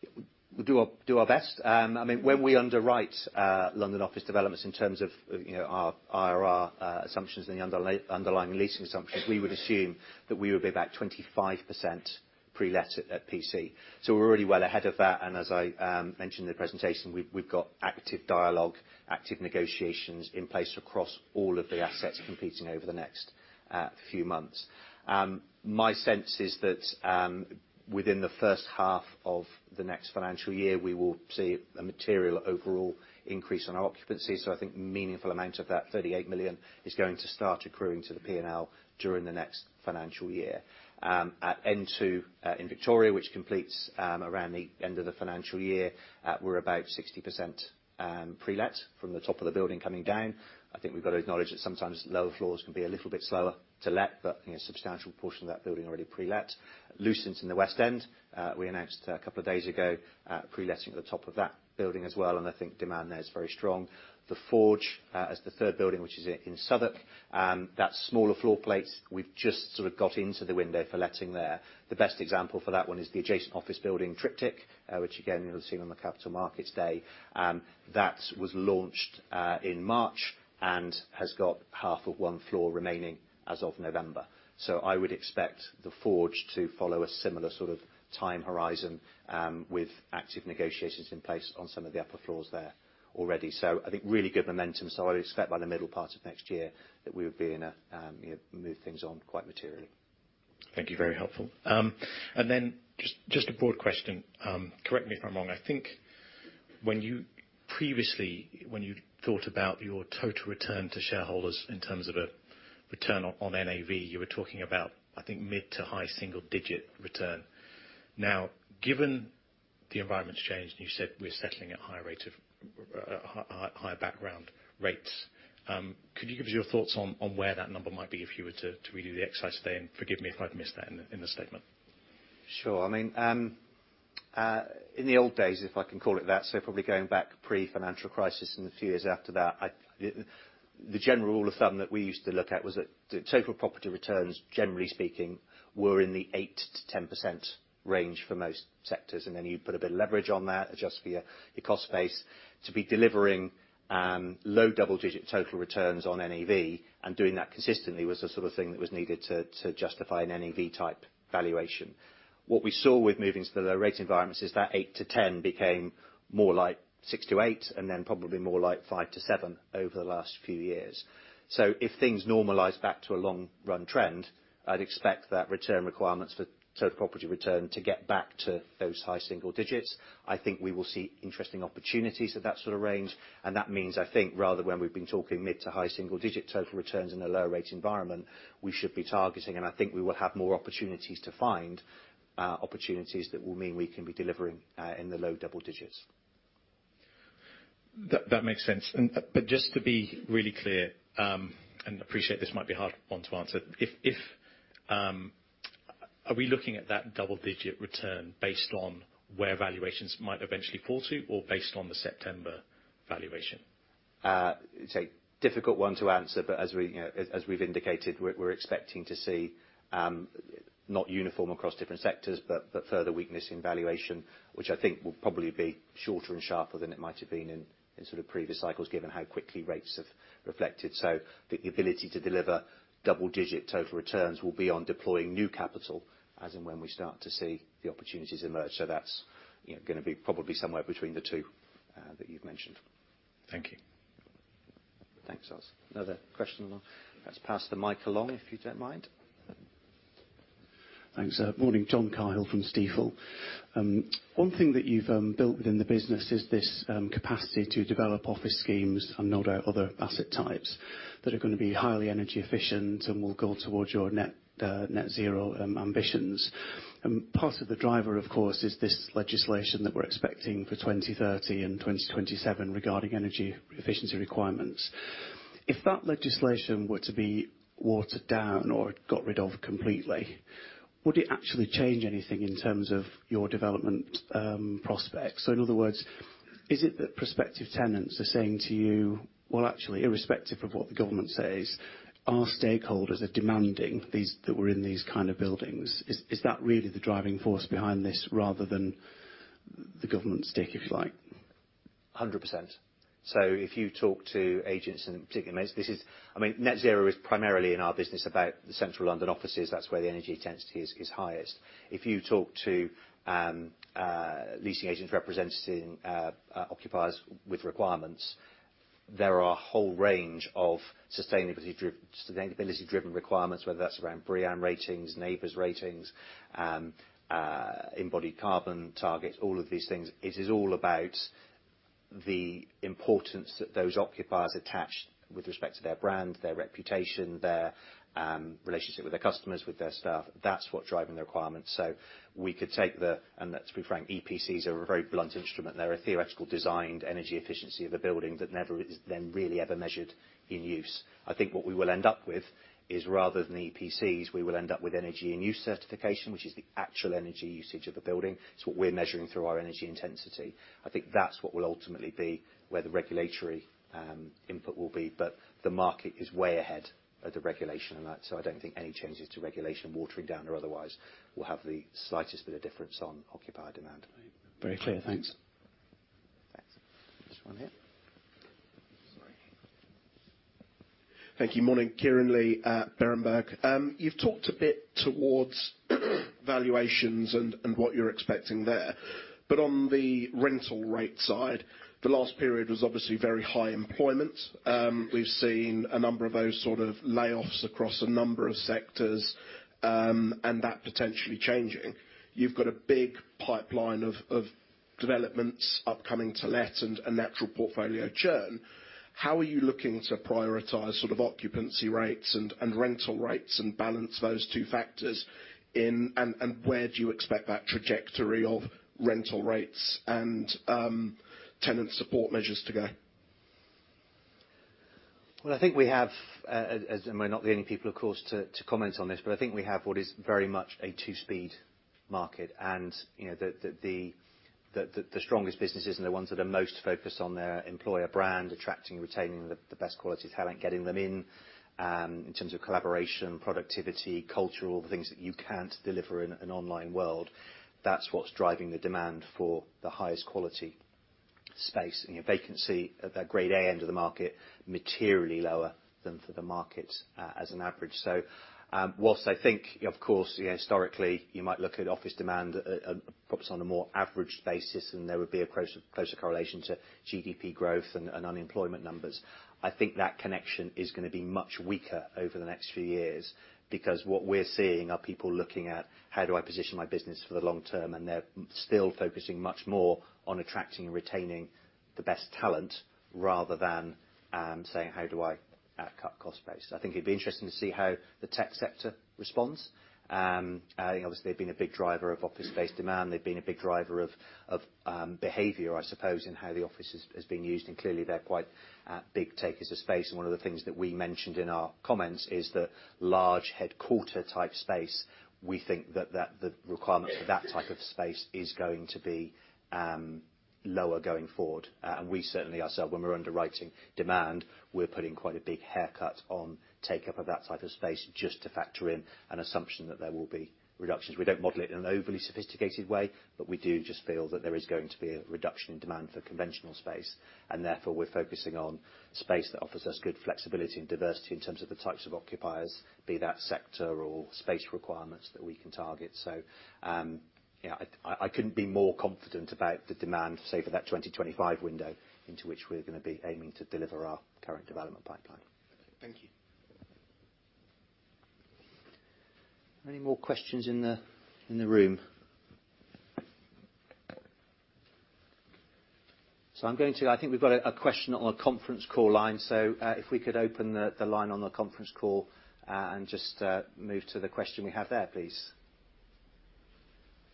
you. We'll do our best. I mean, when we underwrite London office developments in terms of, you know, our IRR assumptions and the underlying leasing assumptions, we would assume that we would be about 25% pre-let at PC. We're already well ahead of that, and as I mentioned in the presentation, we've got active dialogue, active negotiations in place across all of the assets completing over the next few months. My sense is that, within the H1 of the next financial year, we will see a material overall increase on our occupancy, so I think meaningful amount of that 38 million is going to start accruing to the P&L during the next financial year. At N2 in Victoria, which completes around the end of the financial year, we're about 60% pre-let from the top of the building coming down. I think we've got to acknowledge that sometimes lower floors can be a little bit slower to let, but, you know, a substantial portion of that building already pre-let. Lucent in the West End, we announced a couple of days ago, pre-letting at the top of that building as well, and I think demand there is very strong. The Forge as the third building, which is in Southwark, that smaller floor plate, we've just sort of got into the window for letting there. The best example for that one is the adjacent office building, Triptych, which again, you'll have seen on the Capital Markets Day. That was launched in March and has got half of one floor remaining as of November. I would expect The Forge to follow a similar sort of time horizon with active negotiations in place on some of the upper floors there already. I think really good momentum. I'd expect by the middle part of next year that we would be in a move things on quite materially. Thank you. Very helpful. Then just a broad question. Correct me if I'm wrong. I think when you previously thought about your total return to shareholders in terms of a return on NAV, you were talking about, I think, mid- to high-single-digit return. Now, given the environment's changed, and you said we're settling at higher rate of higher background rates. Could you give us your thoughts on where that number might be if you were to redo the exercise today? Forgive me if I've missed that in the statement. Sure. I mean, in the old days, if I can call it that, so probably going back pre-financial crisis and the few years after that. The general rule of thumb that we used to look at was that the total property returns, generally speaking, were in the 8%-10% range for most sectors. You put a bit of leverage on that, adjust for your cost base to be delivering low double-digit total returns on NAV, and doing that consistently was the sort of thing that was needed to justify an NAV-type valuation. What we saw with moving to the lower rate environments is that 8%-10% became more like 6%-8%, and then probably more like 5%-7% over the last few years. If things normalize back to a long run trend, I'd expect that return requirements for total property return to get back to those high single digits. I think we will see interesting opportunities at that sort of range, and that means, I think, rather when we've been talking mid to high single digit total returns in a low rate environment, we should be targeting, and I think we will have more opportunities to find opportunities that will mean we can be delivering in the low double digits. That makes sense. Just to be really clear, and appreciate this might be a hard one to answer. Are we looking at that double-digit return based on where valuations might eventually fall to or based on the September valuation? It's a difficult one to answer, but as we've indicated, we're expecting to see not uniform across different sectors, but further weakness in valuation, which I think will probably be shorter and sharper than it might have been in sort of previous cycles, given how quickly rates have risen. The ability to deliver double-digit total returns will be on deploying new capital as and when we start to see the opportunities emerge. That's, you know, gonna be probably somewhere between the two that you've mentioned. Thank you. Thanks, Oz. Another question along. Let's pass the mic along, if you don't mind. Thanks. Morning, John Kyle from Stifel. One thing that you've built within the business is this capacity to develop office schemes and no doubt other asset types that are gonna be highly energy efficient and will go towards your net zero ambitions. Part of the driver, of course, is this legislation that we're expecting for 2030 and 2027 regarding energy efficiency requirements. If that legislation were to be watered down or got rid of completely, would it actually change anything in terms of your development prospects? In other words, is it that prospective tenants are saying to you, "Well, actually, irrespective of what the government says, our stakeholders are demanding that we're in these kind of buildings." Is that really the driving force behind this rather than the government's take, if you like? 100%. If you talk to agents, and particularly most, I mean, net zero is primarily in our business about the central London offices. That's where the energy intensity is highest. If you talk to leasing agents representing occupiers with requirements, there are a whole range of sustainability-driven requirements, whether that's around BREEAM ratings, NABERS ratings, embodied carbon targets, all of these things. It is all about the importance that those occupiers attach with respect to their brand, their reputation, their relationship with their customers, with their staff. That's what's driving the requirements. We could take the, and let's be frank, EPC is a very blunt instrument. They're a theoretically designed energy efficiency of a building that never is then really ever measured in use. I think what we will end up with is, rather than EPCs, we will end up with energy in use certification, which is the actual energy usage of the building. It's what we're measuring through our energy intensity. I think that's what will ultimately be where the regulatory input will be. The market is way ahead of the regulation on that, so I don't think any changes to regulation, watering down or otherwise, will have the slightest bit of difference on occupied demand. Very clear. Thanks. Thanks. This one here. Sorry. Thank you. Morning, Kieran Lee at Berenberg. You've talked a bit towards valuations and what you're expecting there. On the rental rate side, the last period was obviously very high unemployment. We've seen a number of those sort of layoffs across a number of sectors, and that potentially changing. You've got a big pipeline of developments upcoming to let and a natural portfolio churn. How are you looking to prioritize sort of occupancy rates and rental rates and balance those two factors in, and where do you expect that trajectory of rental rates and tenant support measures to go? Well, I think we have and we're not the only people, of course, to comment on this, but I think we have what is very much a two-speed market and, you know, the strongest businesses and the ones that are most focused on their employer brand, attracting, retaining the best quality talent, getting them in in terms of collaboration, productivity, cultural, the things that you can't deliver in an online world, that's what's driving the demand for the highest quality space. You know, vacancy at that Grade A end of the market materially lower than for the market as an average. While I think, of course, you know, historically you might look at office demand perhaps on a more average basis, and there would be a closer correlation to GDP growth and unemployment numbers. I think that connection is gonna be much weaker over the next few years, because what we're seeing are people looking at how do I position my business for the long term, and they're still focusing much more on attracting and retaining the best talent rather than saying, "How do I cut cost base?" I think it'd be interesting to see how the tech sector responds. I think obviously they've been a big driver of office space demand. They've been a big driver of behavior, I suppose, in how the office has been used, and clearly they're quite big takers of space. One of the things that we mentioned in our comments is that large headquarter type space, we think that the requirement for that type of space is going to be lower going forward. When we're underwriting demand, we're putting quite a big haircut on take-up of that type of space just to factor in an assumption that there will be reductions. We don't model it in an overly sophisticated way, but we do just feel that there is going to be a reduction in demand for conventional space, and therefore, we're focusing on space that offers us good flexibility and diversity in terms of the types of occupiers, be that sector or space requirements that we can target. I couldn't be more confident about the demand, say, for that 2025 window into which we're gonna be aiming to deliver our current development pipeline. Thank you. Any more questions in the room? I think we've got a question on a conference call line. If we could open the line on the conference call and just move to the question we have there, please.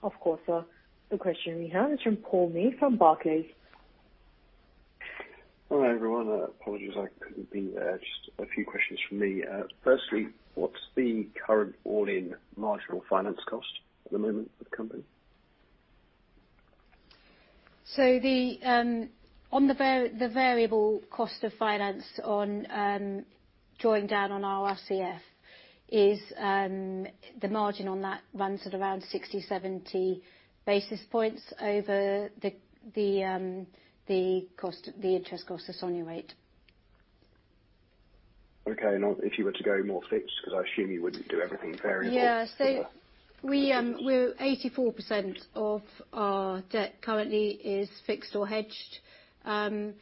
Of course, sir. The question we have is from Paul May from Barclays. Hi, everyone. Apologies, I couldn't be there. Just a few questions from me. Firstly, what's the current all-in marginal finance cost at the moment for the company? The variable cost of finance on drawing down on our RCF is the margin on that runs at around 60-70 basis points over the interest cost, the SONIA rate. Okay. If you were to go more fixed, 'cause I assume you wouldn't do everything variable. We're 84% of our debt currently is fixed or hedged. As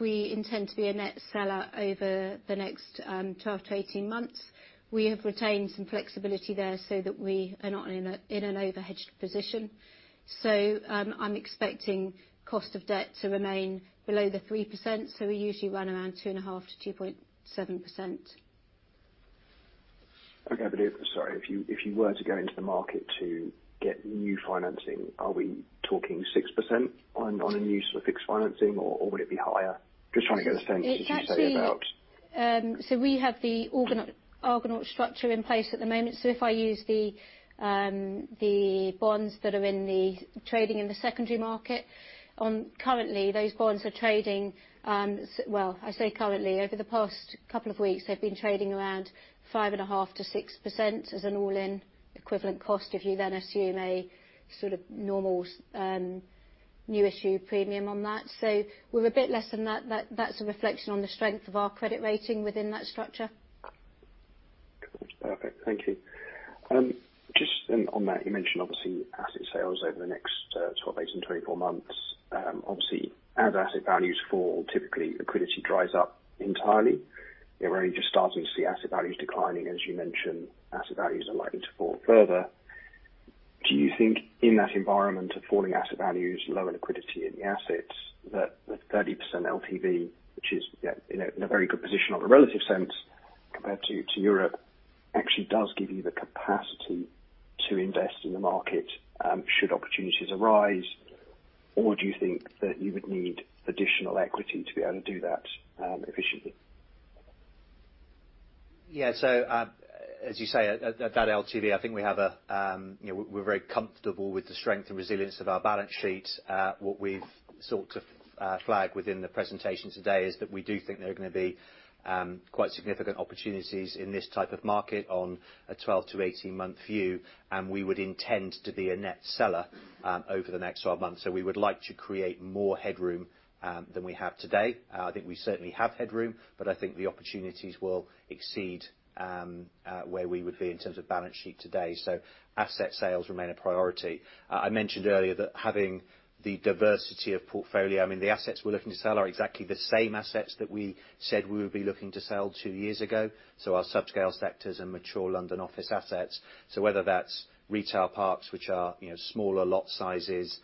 we intend to be a net seller over the next 12-18 months, we have retained some flexibility there so that we are not in an overhedged position. I'm expecting cost of debt to remain below 3%, so we usually run around 2.5%-2.7%. Okay. If you were to go into the market to get new financing, are we talking 6% on a new sort of fixed financing, or would it be higher? Just trying to get a sense. It's actually. as you set it out. We have the Argonaut structure in place at the moment. If I use the bonds that are trading in the secondary market, currently those bonds are trading. I say currently. Over the past couple of weeks, they've been trading around 5.5%-6% as an all-in equivalent cost if you then assume a sort of normal new issue premium on that. We're a bit less than that. That's a reflection on the strength of our credit rating within that structure. Perfect. Thank you. Just, on that, you mentioned obviously asset sales over the next 12, 18, 24 months. Obviously as asset values fall, typically liquidity dries up entirely. You're only just starting to see asset values declining. As you mentioned, asset values are likely to fall further. Do you think in that environment of falling asset values, lower liquidity in the assets, that the 30% LTV, which is, yeah, in a very good position on a relative sense compared to Europe, actually does give you the capacity to invest in the market, should opportunities arise? Or do you think that you would need additional equity to be able to do that, efficiently? Yeah. As you say, at that LTV, I think we have a, you know, we're very comfortable with the strength and resilience of our balance sheet. What we've sought to flag within the presentation today is that we do think there are gonna be quite significant opportunities in this type of market on a 12-18-month view, and we would intend to be a net seller over the next 12 months. We would like to create more headroom than we have today. I think we certainly have headroom, but I think the opportunities will exceed where we would be in terms of balance sheet today. Asset sales remain a priority. I mentioned earlier that having the diversity of portfolio, I mean, the assets we're looking to sell are exactly the same assets that we said we would be looking to sell two years ago, so our subscale sectors and mature London office assets. So whether that's retail parks, which are, you know, smaller lot sizes,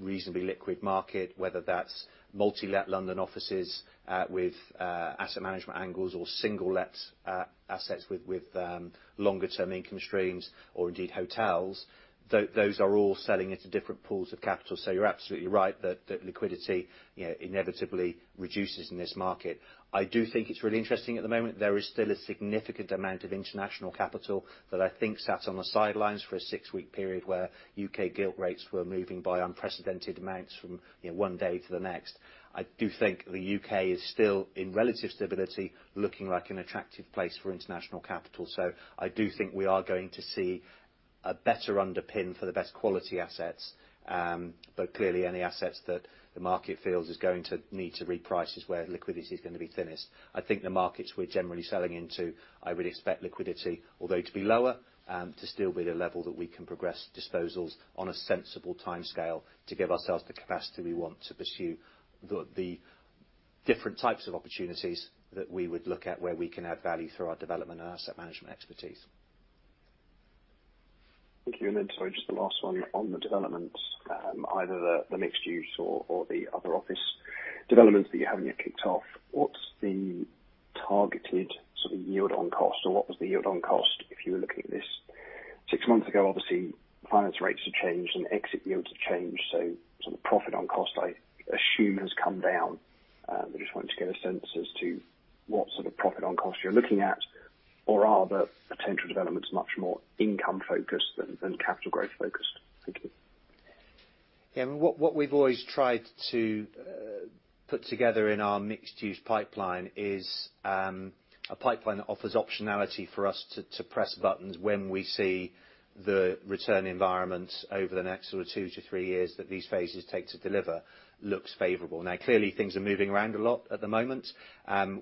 reasonably liquid market, whether that's multi-let London offices, with asset management angles or single-let assets with longer term income streams or indeed hotels, those are all selling into different pools of capital. So you're absolutely right that liquidity, you know, inevitably reduces in this market. I do think it's really interesting at the moment. There is still a significant amount of international capital that I think sat on the sidelines for a six-week period where U.K. gilt rates were moving by unprecedented amounts from, you know, one day to the next. I do think the U.K. is still in relative stability, looking like an attractive place for international capital. I do think we are going to see a better underpin for the best quality assets. Clearly any assets that the market feels is going to need to reprice is where liquidity is gonna be thinnest. I think the markets we're generally selling into, I would expect liquidity, although to be lower, to still be at a level that we can progress disposals on a sensible timescale to give ourselves the capacity we want to pursue the different types of opportunities that we would look at where we can add value through our development and our asset management expertise. Thank you. Sorry, just the last one. On the development, either the mixed use or the other office developments that you haven't yet kicked off, what's the targeted sort of yield on cost? Or what was the yield on cost if you were looking at this six months ago? Obviously, finance rates have changed and exit yields have changed, so sort of profit on cost I assume has come down. I just wanted to get a sense as to what sort of profit on cost you're looking at, or are the potential developments much more income focused than capital growth focused? Thank you. Yeah, what we've always tried to put together in our mixed use pipeline is a pipeline that offers optionality for us to press buttons when we see the return environment over the next sort of 2-3 years that these phases take to deliver looks favorable. Now, clearly things are moving around a lot at the moment.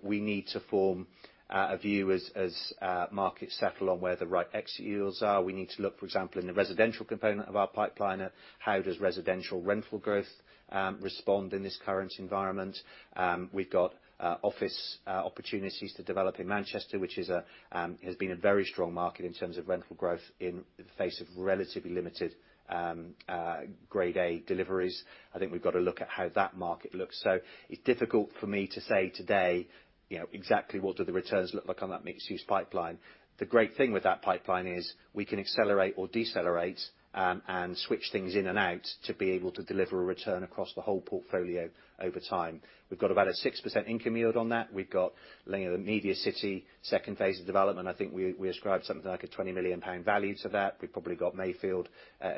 We need to form a view as markets settle on where the right exit yields are. We need to look, for example, in the residential component of our pipeline at how does residential rental growth respond in this current environment. We've got office opportunities to develop in Manchester, which has been a very strong market in terms of rental growth in the face of relatively limited Grade A deliveries. I think we've got to look at how that market looks. It's difficult for me to say today, you know, exactly what do the returns look like on that mixed use pipeline. The great thing with that pipeline is we can accelerate or decelerate and switch things in and out to be able to deliver a return across the whole portfolio over time. We've got about a 6% income yield on that. We've got, you know, the Media City second phase of development. I think we ascribed something like a 20 million pound value to that. We've probably got Mayfield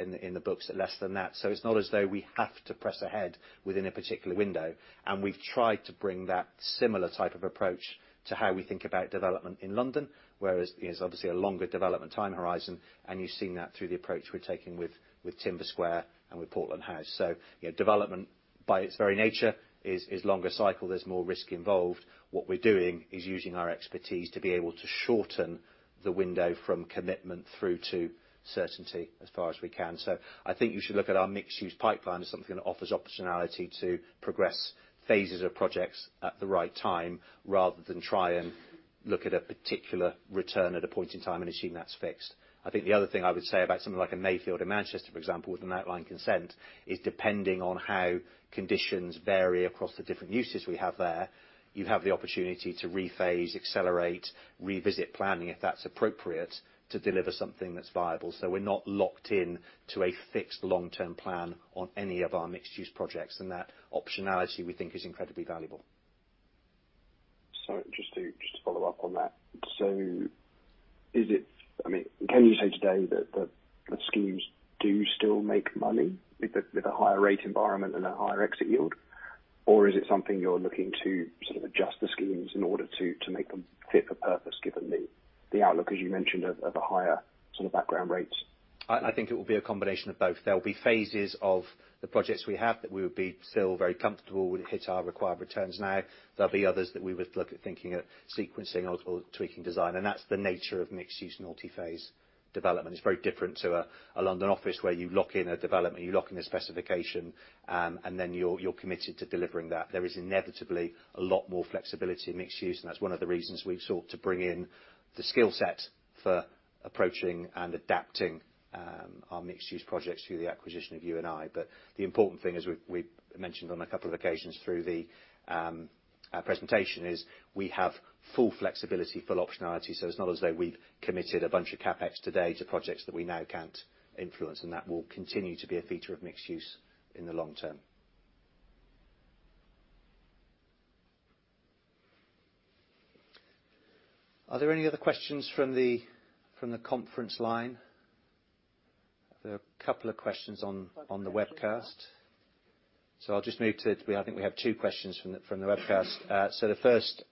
in the books at less than that. It's not as though we have to press ahead within a particular window, and we've tried to bring that similar type of approach to how we think about development in London, whereas there's obviously a longer development time horizon, and you've seen that through the approach we're taking with Timber Square and with Portland House. You know, development by its very nature is longer cycle. There's more risk involved. What we're doing is using our expertise to be able to shorten the window from commitment through to certainty as far as we can. I think you should look at our mixed use pipeline as something that offers optionality to progress phases of projects at the right time, rather than try and look at a particular return at a point in time and assume that's fixed. I think the other thing I would say about something like a Mayfield in Manchester, for example, with an outline consent, is depending on how conditions vary across the different uses we have there, you have the opportunity to rephase, accelerate, revisit planning, if that's appropriate, to deliver something that's viable. We're not locked in to a fixed long-term plan on any of our mixed use projects. That optionality we think is incredibly valuable. Sorry, just to follow up on that. Is it, I mean, can you say today that the schemes do still make money with the higher rate environment and a higher exit yield? Or is it something you're looking to sort of adjust the schemes in order to make them fit for purpose, given the outlook, as you mentioned, of a higher sort of background rates? I think it will be a combination of both. There will be phases of the projects we have that we would be still very comfortable with, hit our required returns now. There'll be others that we would look at thinking of sequencing or tweaking design, and that's the nature of mixed use multi-phase development. It's very different to a London office where you lock in a development, you lock in a specification, and then you're committed to delivering that. There is inevitably a lot more flexibility in mixed use, and that's one of the reasons we've sought to bring in the skill set for approaching and adapting our mixed use projects through the acquisition of U&I. The important thing, as we've mentioned on a couple of occasions through our presentation, is we have full flexibility, full optionality. It's not as though we've committed a bunch of CapEx today to projects that we now can't influence, and that will continue to be a feature of mixed use in the long term. Are there any other questions from the conference line? There are a couple of questions on the webcast. I'll just move to, I think we have two questions from the webcast. The first,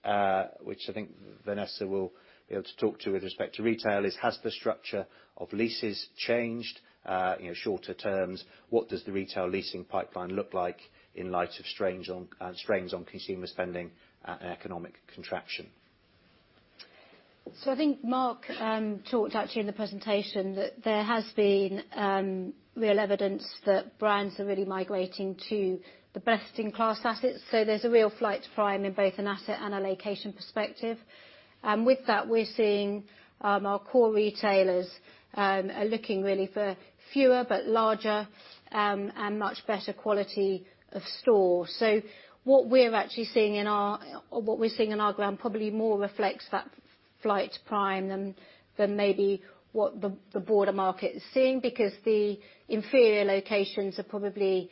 which I think Vanessa will be able to talk to with respect to retail is, has the structure of leases changed, you know, shorter terms? What does the retail leasing pipeline look like in light of strains on consumer spending, and economic contraction? I think Mark actually talked in the presentation that there has been real evidence that brands are really migrating to the best-in-class assets. There's a real flight to prime in both an asset and a location perspective. With that, we're seeing our core retailers are looking really for fewer but larger and much better quality of store. What we're actually seeing in our ground probably more reflects that flight to prime than maybe what the broader market is seeing, because the inferior locations are probably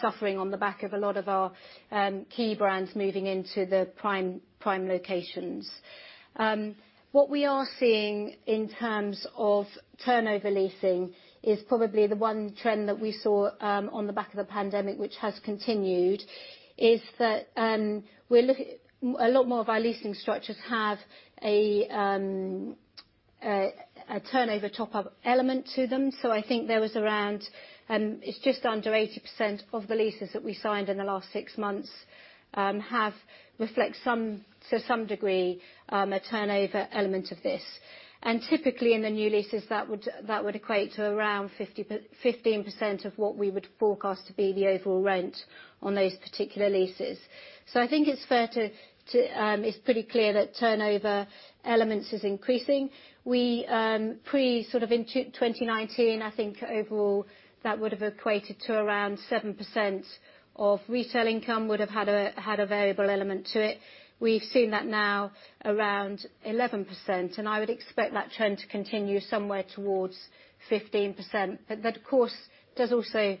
suffering on the back of a lot of our key brands moving into the prime locations. What we are seeing in terms of turnover leasing is probably the one trend that we saw on the back of the pandemic, which has continued, is that a lot more of our leasing structures have a turnover top-up element to them, so I think there was around, it's just under 80% of the leases that we signed in the last six months have reflected some, to some degree, a turnover element of this. Typically in the new leases, that would equate to around 15% of what we would forecast to be the overall rent on those particular leases. It's pretty clear that turnover elements is increasing. Pre-2019, I think overall that would have equated to around 7% of retail income would have had a variable element to it. We've seen that now around 11%, and I would expect that trend to continue somewhere towards 15%. But that, of course, does also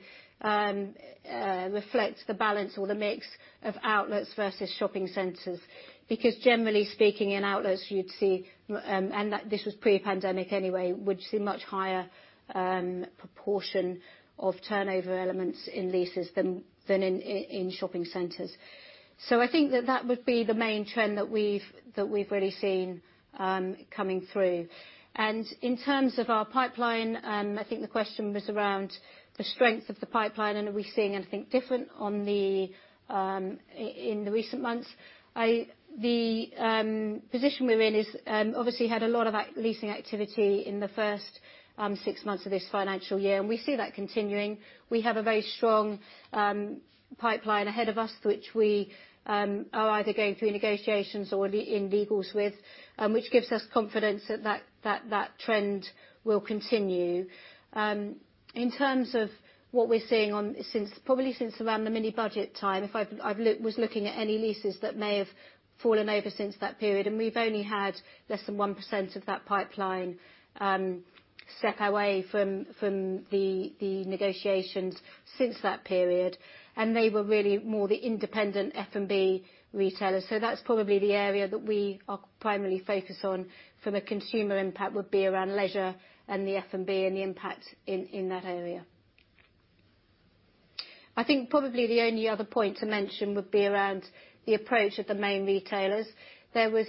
reflect the balance or the mix of outlets versus shopping centers. Because generally speaking, in outlets, you'd see and that this was pre-pandemic anyway, would see much higher proportion of turnover elements in leases than in shopping centers. I think that would be the main trend that we've really seen coming through. In terms of our pipeline, I think the question was around the strength of the pipeline and are we seeing anything different in the recent months. The position we're in is obviously had a lot of that leasing activity in the first six months of this financial year, and we see that continuing. We have a very strong pipeline ahead of us, which we are either going through negotiations or in legals with, which gives us confidence that that trend will continue. In terms of what we're seeing probably since around the mini budget time, if I've looked at any leases that may have fallen over since that period, and we've only had less than 1% of that pipeline step away from the negotiations since that period. They were really more the independent F&B retailers. That's probably the area that we are primarily focused on from a consumer impact, would be around leisure and the F&B and the impact in that area. I think probably the only other point to mention would be around the approach of the main retailers. There was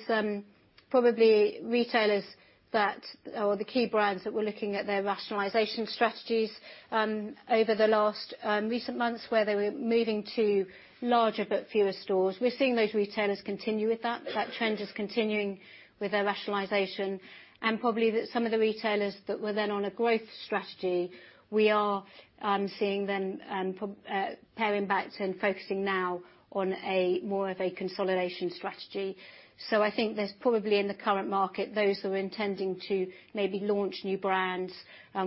probably retailers that, or the key brands that were looking at their rationalization strategies, over the last recent months where they were moving to larger but fewer stores. We're seeing those retailers continue with that. That trend is continuing with their rationalization. Probably that some of the retailers that were then on a growth strategy, we are seeing them paring back and focusing now on more of a consolidation strategy. I think there's probably in the current market, those who are intending to maybe launch new brands.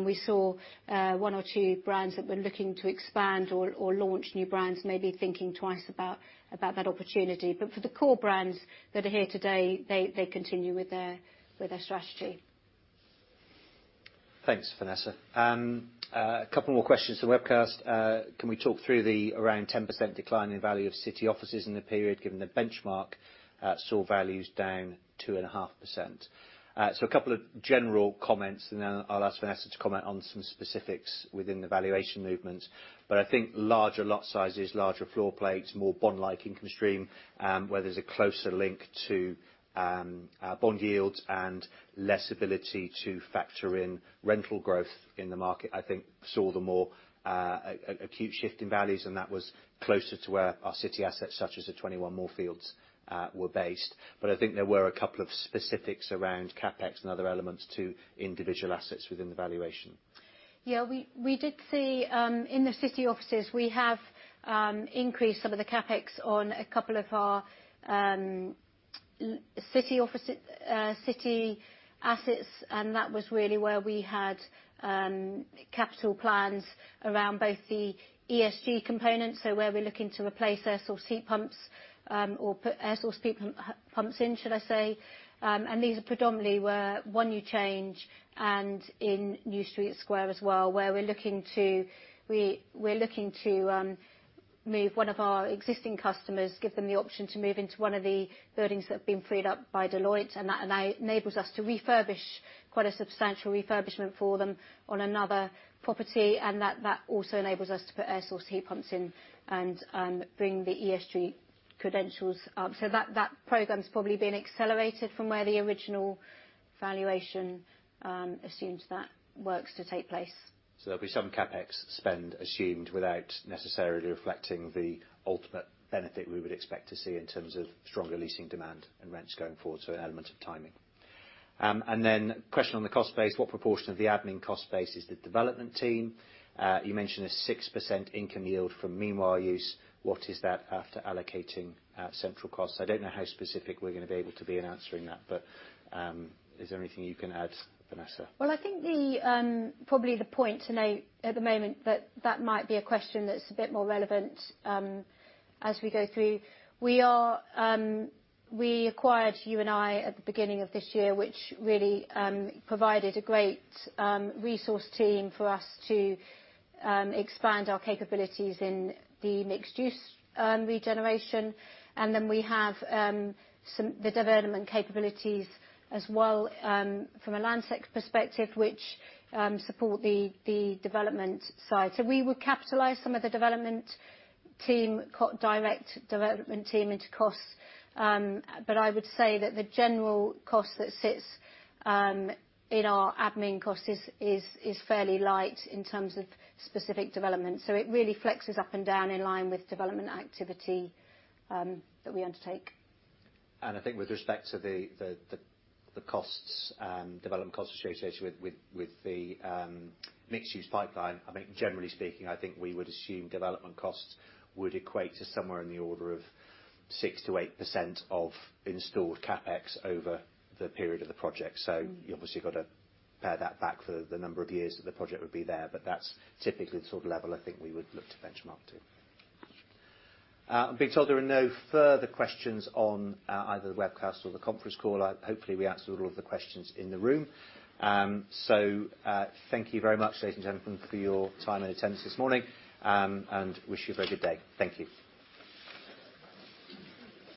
We saw one or two brands that were looking to expand or launch new brands maybe thinking twice about that opportunity. For the core brands that are here today, they continue with their strategy. Thanks, Vanessa. A couple more questions for webcast. Can we talk through the around 10% decline in value of city offices in the period, given the benchmark saw values down 2.5%? A couple of general comments, and then I'll ask Vanessa to comment on some specifics within the valuation movements. I think larger lot sizes, larger floor plates, more bond-like income stream, where there's a closer link to bond yields and less ability to factor in rental growth in the market, I think saw the more acute shift in values, and that was closer to where our city assets, such as the 21 Moorfields, were based. I think there were a couple of specifics around CapEx and other elements to individual assets within the valuation. Yeah, we did see in the city offices. We have increased some of the CapEx on a couple of our city office city assets, and that was really where we had capital plans around both the ESG components, so where we're looking to replace air source heat pumps or put air source heat pumps in, should I say. These are predominantly in One New Change and in New Street Square as well, where we're looking to move one of our existing customers, give them the option to move into one of the buildings that have been freed up by Deloitte, and that enables us to refurbish quite a substantial refurbishment for them on another property, and that also enables us to put air source heat pumps in and bring the ESG credentials up. That program's probably been accelerated from where the original valuation assumes that works to take place. There'll be some CapEx spend assumed without necessarily reflecting the ultimate benefit we would expect to see in terms of stronger leasing demand and rents going forward, so an element of timing. Question on the cost base, what proportion of the admin cost base is the development team? You mentioned a 6% income yield from meanwhile use. What is that after allocating central costs? I don't know how specific we're gonna be able to be in answering that, but is there anything you can add, Vanessa? Well, I think probably the point to note at the moment that that might be a question that's a bit more relevant as we go through. We acquired U and I at the beginning of this year, which really provided a great resource team for us to expand our capabilities in the mixed-use regeneration. We have some of the development capabilities as well from a Landsec perspective, which support the development side. We would capitalize some of the development team direct development team costs. But I would say that the general cost that sits in our admin costs is fairly light in terms of specific development. It really flexes up and down in line with development activity that we undertake. I think with respect to the costs, development costs associated with the mixed-use pipeline, I think generally speaking, I think we would assume development costs would equate to somewhere in the order of 6%-8% of installed CapEx over the period of the project. You obviously got to pare that back for the number of years that the project would be there, but that's typically the sort of level I think we would look to benchmark to. I'm being told there are no further questions on either the webcast or the conference call. Hopefully, we answered all of the questions in the room. So, thank you very much, ladies and gentlemen, for your time and attendance this morning, and wish you a very good day. Thank you.